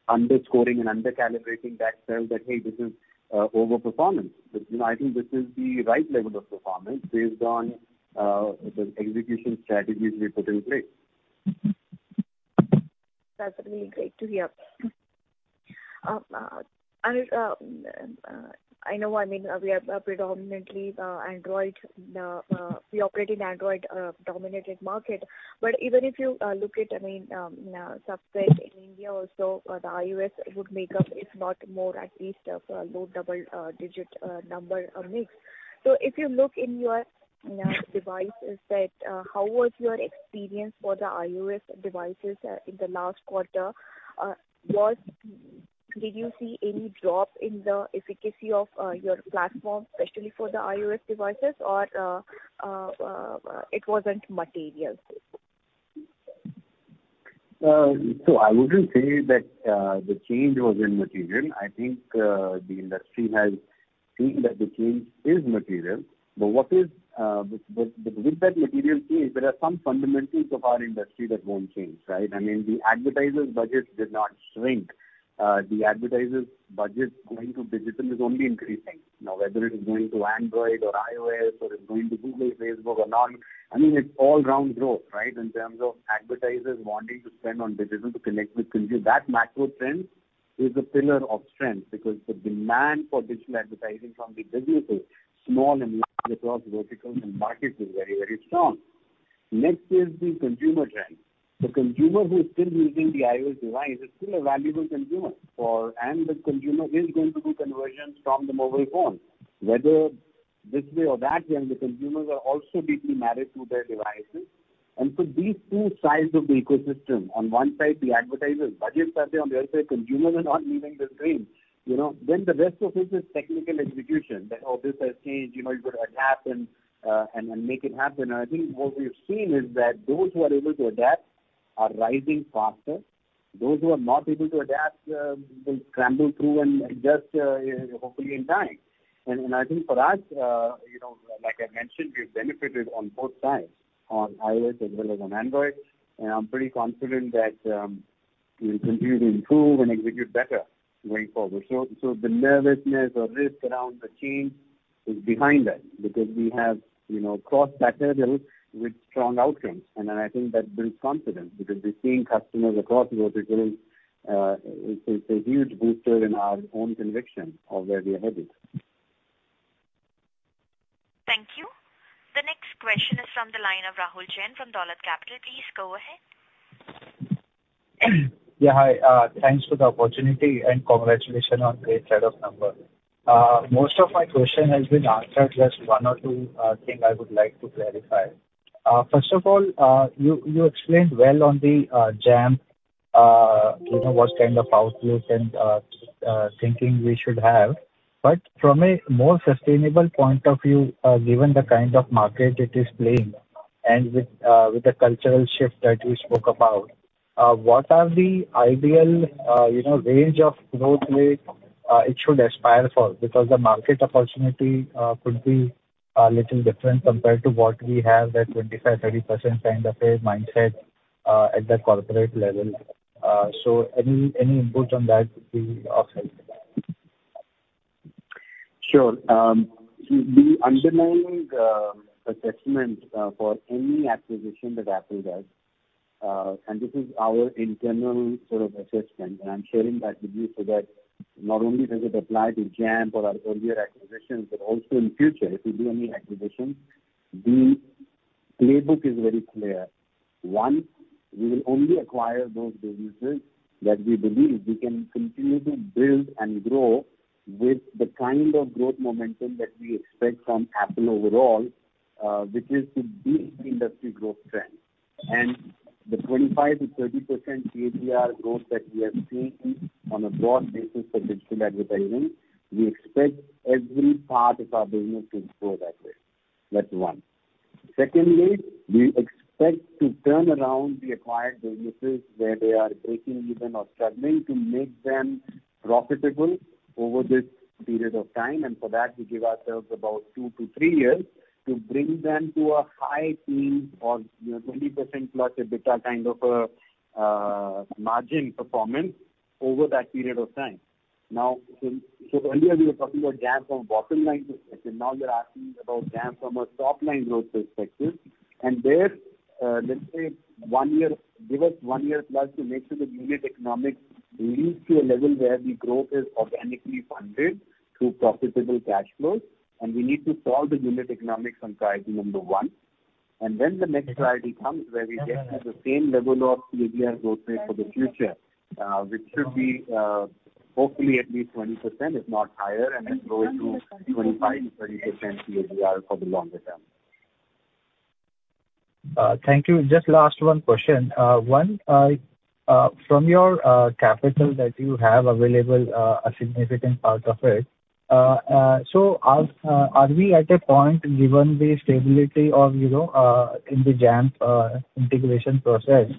underscoring and under-calibrating that said that, "Hey, this is over-performance." You know, I think this is the right level of performance based on the execution strategies we put in place. That's really great to hear. I know, I mean, we are predominantly Android. We operate in Android-dominated market. Even if you look at, I mean, sub-segment in India also, the iOS would make up, if not more, at least a low double-digit number of mix. If you look in your, you know, devices that how was your experience for the iOS devices in the last quarter? Did you see any drop in the efficacy of your platform, especially for the iOS devices or it wasn't material? I wouldn't say that the change wasn't material. I think the industry has seen that the change is material. With that material change, there are some fundamentals of our industry that won't change, right? I mean, the advertisers' budgets did not shrink. The advertisers' budgets going to digital is only increasing. Now, whether it is going to Android or iOS or it's going to Google, Facebook or not, I mean, it's all-around growth, right? In terms of advertisers wanting to spend on digital to connect with consumers. That macro trend is a pillar of strength because the demand for digital advertising from the businesses, small and large across verticals and markets is very, very strong. Next is the consumer trend. The consumer who is still using the iOS device is still a valuable consumer for The consumer is going to do conversions from the mobile phone, whether this way or that way, and the consumers are also deeply married to their devices. These two sides of the ecosystem, on one side the advertisers' budgets are there, on the other side, consumers are not leaving the train, you know. The rest of it is technical execution that, oh, this has changed. You know, you've got to adapt and make it happen. I think what we've seen is that those who are able to adapt are rising faster. Those who are not able to adapt will scramble through and adjust, hopefully in time. I think for us, you know, like I mentioned, we've benefited on both sides, on iOS as well as on Android. I'm pretty confident that we'll continue to improve and execute better going forward. The nervousness or risk around the change is behind us because we have, you know, crossed that hurdle with strong outcomes. I think that builds confidence because we're seeing customers across verticals, it's a huge booster in our own conviction of where we are headed. Thank you. The next question is from the line of Rahul Jain from Dolat Capital. Please go ahead. Yeah, hi, thanks for the opportunity and congratulations on great set of numbers. Most of my question has been answered. Just one or two thing I would like to clarify. First of all, you explained well on the Jampp, you know, what kind of outlook and thinking we should have. From a more sustainable point of view, given the kind of market it is playing and with the cultural shift that you spoke about, what are the ideal, you know, range of growth rate it should aspire for? Because the market opportunity could be a little different compared to what we have, that 25%-30% kind of a mindset at the corporate level. So any input on that would be of help. Sure. The underlying assessment for any acquisition that Affle does, and this is our internal sort of assessment, and I'm sharing that with you so that not only does it apply to Jampp or our earlier acquisitions, but also in future, if we do any acquisitions, the playbook is very clear. One, we will only acquire those businesses that we believe we can continue to build and grow with the kind of growth momentum that we expect from Affle overall, which is to beat the industry growth trend. The 25%-30% CAGR growth that we are seeing on a broad basis for digital advertising, we expect every part of our business to grow that way. That's one. Secondly, we expect to turn around the acquired businesses where they are breaking even or struggling to make them profitable over this period of time. For that, we give ourselves about 2-3 years to bring them to a high teens or, you know, 20%+ EBITDA kind of a margin performance over that period of time. So earlier you were talking about Jampp from bottom line perspective. Now you're asking about Jampp from a top line growth perspective. Let's say 1 year, give us 1 year+ to make sure the unit economics leads to a level where the growth is organically funded through profitable cash flows, and we need to solve the unit economics and priority number 1. The next priority comes where we get to the same level of CAGR growth rate for the future, which should be hopefully at least 20%, if not higher, and then grow it to 25%-30% CAGR for the longer term. Thank you. Just last one question. One from your capital that you have available, a significant part of it, so are we at a point, given the stability of, you know, in the Jampp integration process.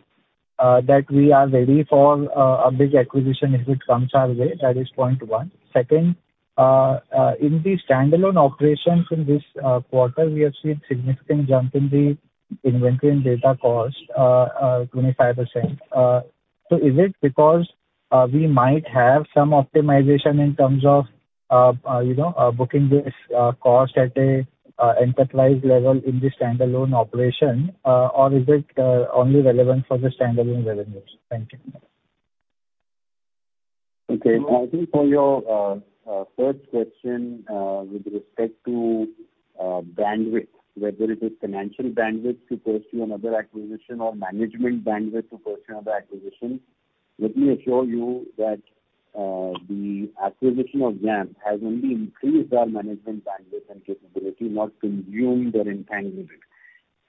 That we are ready for a big acquisition if it comes our way. That is point one. Second, in the standalone operations in this quarter, we have seen significant jump in the inventory and data cost 25%. Is it because we might have some optimization in terms of you know booking this cost at a enterprise level in the standalone operation or is it only relevant for the standalone revenues? Thank you. Okay. I think for your first question with respect to bandwidth, whether it is financial bandwidth to pursue another acquisition or management bandwidth to pursue another acquisition, let me assure you that the acquisition of Jampp has only increased our management bandwidth and capability, not consumed or entangled it.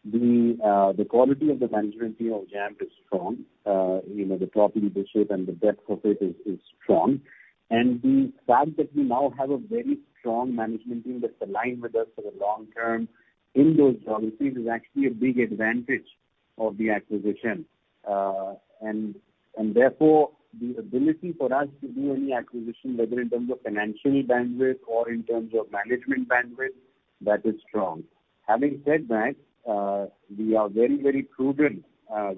The quality of the management team of Jampp is strong. You know, the top leadership and the depth of it is strong. The fact that we now have a very strong management team that's aligned with us for the long term in those geographies is actually a big advantage of the acquisition. Therefore, the ability for us to do any acquisition, whether in terms of financial bandwidth or in terms of management bandwidth, that is strong. Having said that, we are very, very prudent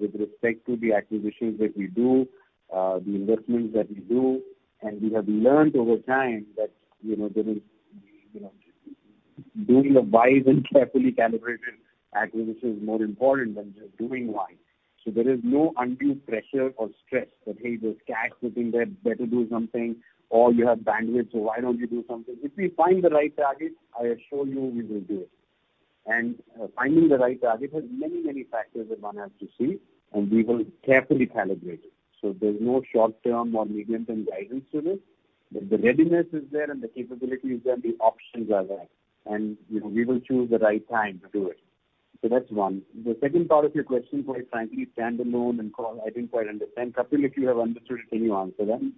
with respect to the acquisitions that we do, the investments that we do. We have learnt over time that, you know, there is, you know, doing a wise and carefully calibrated acquisition is more important than just doing wise. There is no undue pressure or stress that, "Hey, there's cash sitting there, better do something," or, "You have bandwidth, so why don't you do something?" If we find the right target, I assure you we will do it. Finding the right target has many, many factors that one has to see, and we will carefully calibrate it. There's no short-term or medium-term guidance to this. The readiness is there and the capability is there and the options are there. You know, we will choose the right time to do it. That's one. The second part of your question was, frankly, standalone and cost. I didn't quite understand. Kapil, if you have understood it, can you answer that?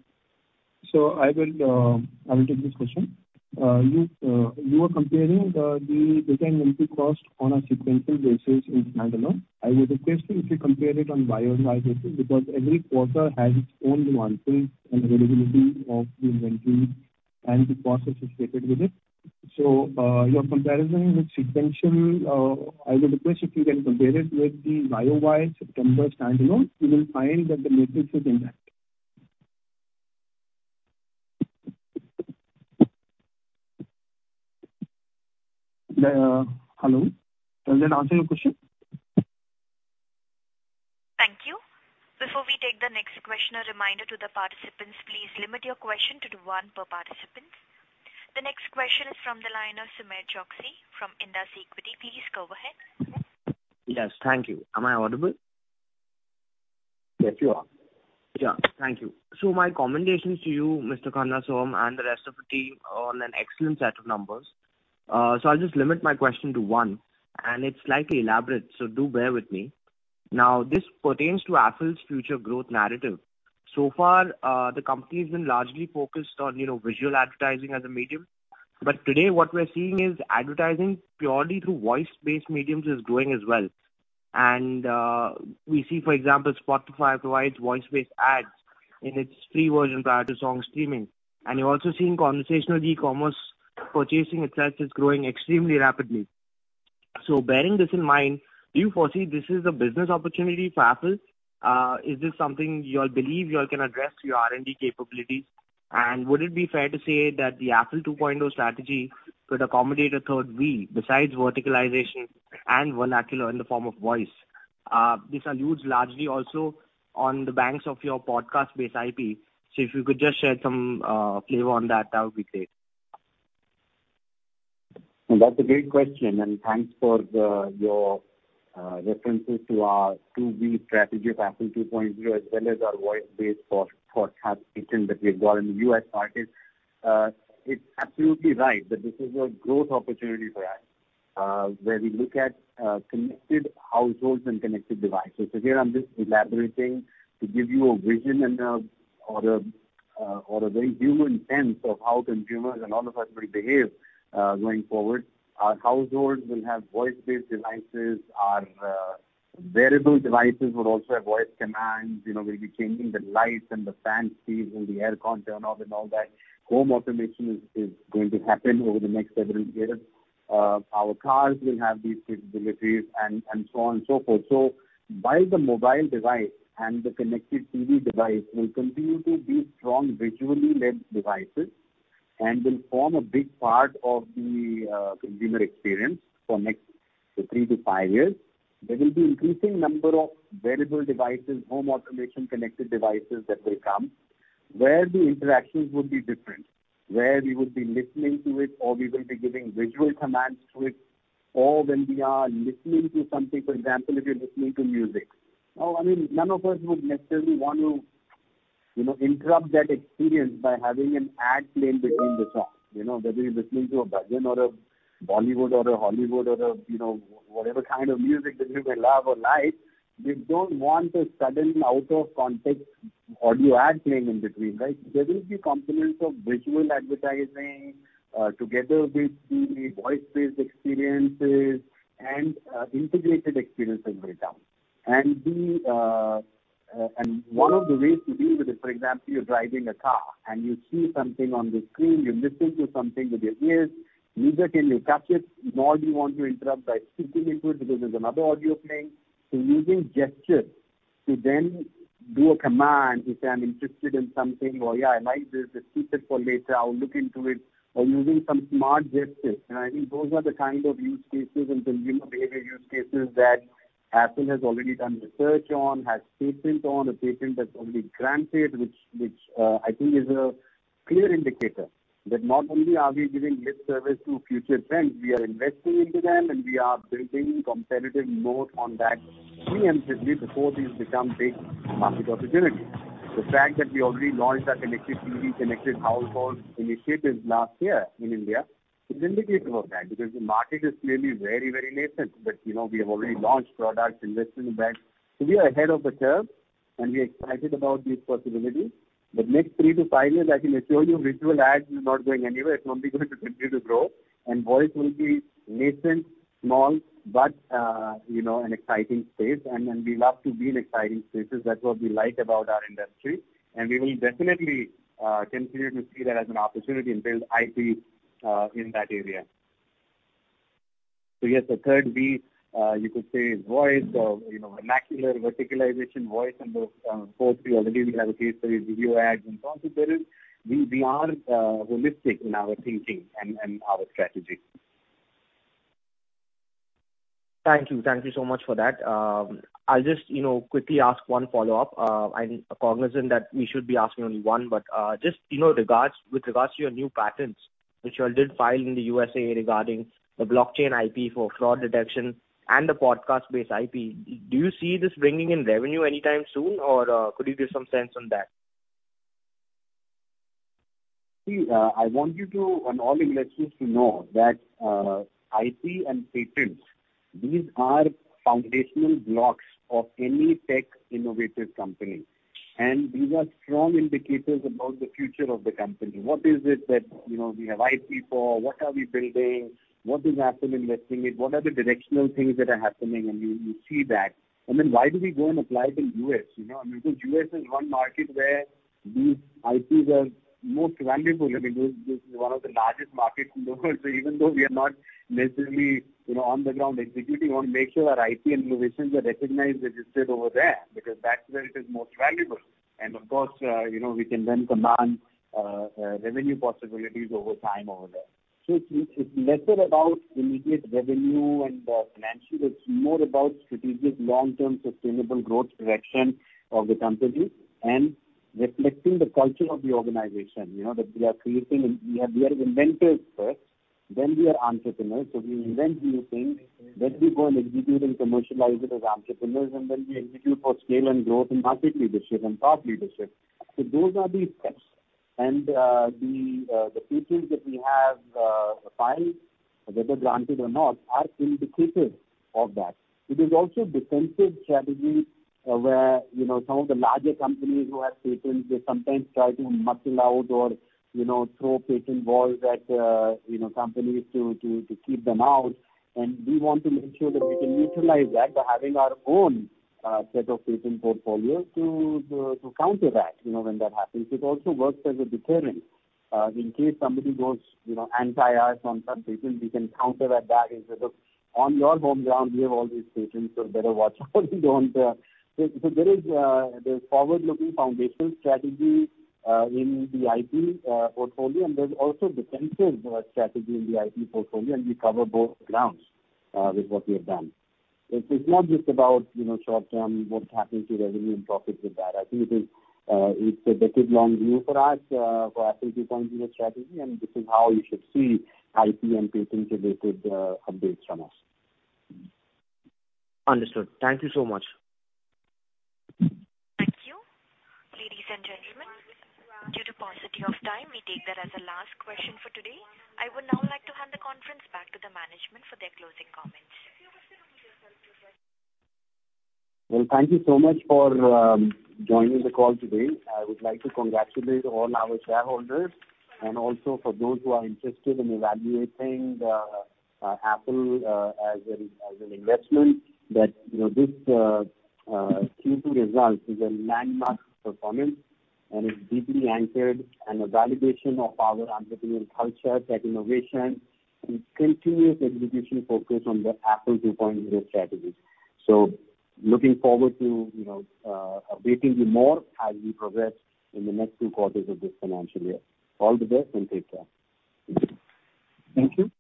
I will take this question. You are comparing the data inventory cost on a sequential basis in standalone. I would request you if you compare it on YOY basis, because every quarter has its own nuances and availability of the inventory and the costs associated with it. Your comparison with sequential, I would request if you can compare it with the YOY September standalone, you will find that the metrics is intact. Hello? Does that answer your question? Thank you. Before we take the next question, a reminder to the participants, please limit your question to one per participant. The next question is from the line of Sumer Choksey from IIFL Securities. Please go ahead. Yes. Thank you. Am I audible? Yes, you are. Yeah. Thank you. My commendations to you, Mr. Khanna Sohum and the rest of the team on an excellent set of numbers. I'll just limit my question to one, and it's slightly elaborate, so do bear with me. Now, this pertains to Affle's future growth narrative. So far, the company's been largely focused on, you know, visual advertising as a medium. Today, what we're seeing is advertising purely through voice-based mediums is growing as well. We see, for example, Spotify provides voice-based ads in its free version prior to song streaming. You're also seeing conversational e-commerce purchasing itself is growing extremely rapidly. Bearing this in mind, do you foresee this is a business opportunity for Affle? Is this something you all believe you all can address through your R&D capabilities? Would it be fair to say that the Affle 2.0 strategy could accommodate a third V besides verticalization and vernacular in the form of voice? This builds largely also on the back of your podcast-based IP. If you could just share some flavor on that would be great. That's a great question. Thanks for your references to our 2V strategy of Affle 2.0 as well as our voice-based podcast kitchen that we've got in the U.S. market. It's absolutely right that this is a growth opportunity for us, where we look at connected households and connected devices. Here I'm just elaborating to give you a vision and a very human sense of how consumers and all of us will behave going forward. Our households will have voice-based devices. Our wearable devices will also have voice commands. You know, we'll be changing the lights and the fan speed and the air con turn off and all that. Home automation is going to happen over the next several years. Our cars will have these capabilities and so on and so forth. While the mobile device and the connected TV device will continue to be strong visually led devices and will form a big part of the consumer experience for next 3-5 years, there will be increasing number of wearable devices, home automation connected devices that will come where the interactions would be different. Where we would be listening to it, or we will be giving visual commands to it, or when we are listening to something. For example, if you're listening to music. Now, I mean, none of us would necessarily want to, you know, interrupt that experience by having an ad playing between the songs. You know, whether you're listening to a bhajan or a Bollywood or a Hollywood or a, you know, whatever kind of music that you may love or like, we don't want a sudden out-of-context audio ad playing in between, right? There will be components of visual advertising, together with the voice-based experiences and integrated experiences will come. One of the ways to deal with it, for example, you're driving a car and you see something on the screen, you listen to something with your ears. You can't touch it? Nor do you want to interrupt by speaking into it because there's another audio playing. Using gestures to then do a command. If I'm interested in something or, yeah, I like this, just keep it for later, I'll look into it. Or using some smart gestures. I think those are the kind of use cases and consumer behavior use cases that Apple has already done research on, has a patent on that's already granted. Which I think is a clear indicator that not only are we giving lip service to future trends, we are investing into them, and we are building competitive moat on that preemptively before these become big market opportunities. The fact that we already launched our connected TV, connected household initiatives last year in India is indicative of that, because the market is clearly very, very nascent. You know, we have already launched products, investing in that. We are ahead of the curve, and we are excited about these possibilities. The next three to five years, I can assure you, visual ads is not going anywhere. It's only going to continue to grow. Voice will be nascent, small, but, you know, an exciting space. We love to be in exciting spaces. That's what we like about our industry, and we will definitely continue to see that as an opportunity and build IP in that area. Yes, the third V, you could say is voice or, you know, vernacular verticalization, voice. Of course, we already have a case study with video ads and sponsored videos. We are holistic in our thinking and our strategy. Thank you. Thank you so much for that. I'll just, you know, quickly ask one follow-up. I'm cognizant that we should be asking only one, but just, you know, with regards to your new patents, which you all did file in the USA regarding the blockchain IP for fraud detection and the podcast-based IP, do you see this bringing in revenue anytime soon, or could you give some sense on that? I want all investors to know that IP and patents, these are foundational blocks of any tech innovative company, and these are strong indicators about the future of the company. What is it that, you know, we have IP for? What are we building? What is Apple investing in? What are the directional things that are happening? You see that. Then why do we go and apply to U.S., you know? I mean, because U.S. is one market where these IPs are most valuable. I mean, this is one of the largest markets in the world, so even though we are not necessarily, you know, on the ground executing, we want to make sure our IP innovations are recognized, registered over there, because that's where it is most valuable. Of course, you know, we can then command revenue possibilities over time over there. It's lesser about immediate revenue and financially. It's more about strategic long-term sustainable growth direction of the company and reflecting the culture of the organization, you know, that we are creating. We are inventors first, then we are entrepreneurs. We invent new things, then we go and execute and commercialize it as entrepreneurs, and then we execute for scale and growth and market leadership and thought leadership. Those are the steps. The patents that we have filed, whether granted or not, are indicators of that. It is also defensive strategy where, you know, some of the larger companies who have patents, they sometimes try to muscle out or, you know, throw patent walls at, you know, companies to keep them out. We want to make sure that we can utilize that by having our own set of patent portfolios to counter that, you know, when that happens. It also works as a deterrent in case somebody goes, you know, anti-us on some patents, we can counter that back and say, "Look, on your home ground, we have all these patents, so better watch out you don't." There is forward-looking foundational strategy in the IP portfolio, and there is also defensive strategy in the IP portfolio, and we cover both grounds with what we have done. It is not just about, you know, short term, what's happening to revenue and profits with that. I think it is, it's a decade-long view for us, for Affle 2.0 strategy, and this is how you should see IP and patent-related, updates from us. Understood. Thank you so much. Thank you. Ladies and gentlemen, due to paucity of time, we take that as the last question for today. I would now like to hand the conference back to the management for their closing comments. Well, thank you so much for joining the call today. I would like to congratulate all our shareholders and also for those who are interested in evaluating Affle as an investment that, you know, this Q2 result is a landmark performance and is deeply anchored and a validation of our entrepreneurial culture, tech innovation, and continuous execution focus on the Affle 2.0 strategy. Looking forward to, you know, updating you more as we progress in the next two quarters of this financial year. All the best and take care. Thank you.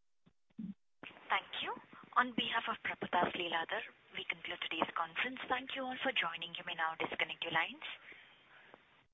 Thank you. On behalf of Prabhudas Lilladher, we conclude today's conference. Thank you all for joining. You may now disconnect your lines.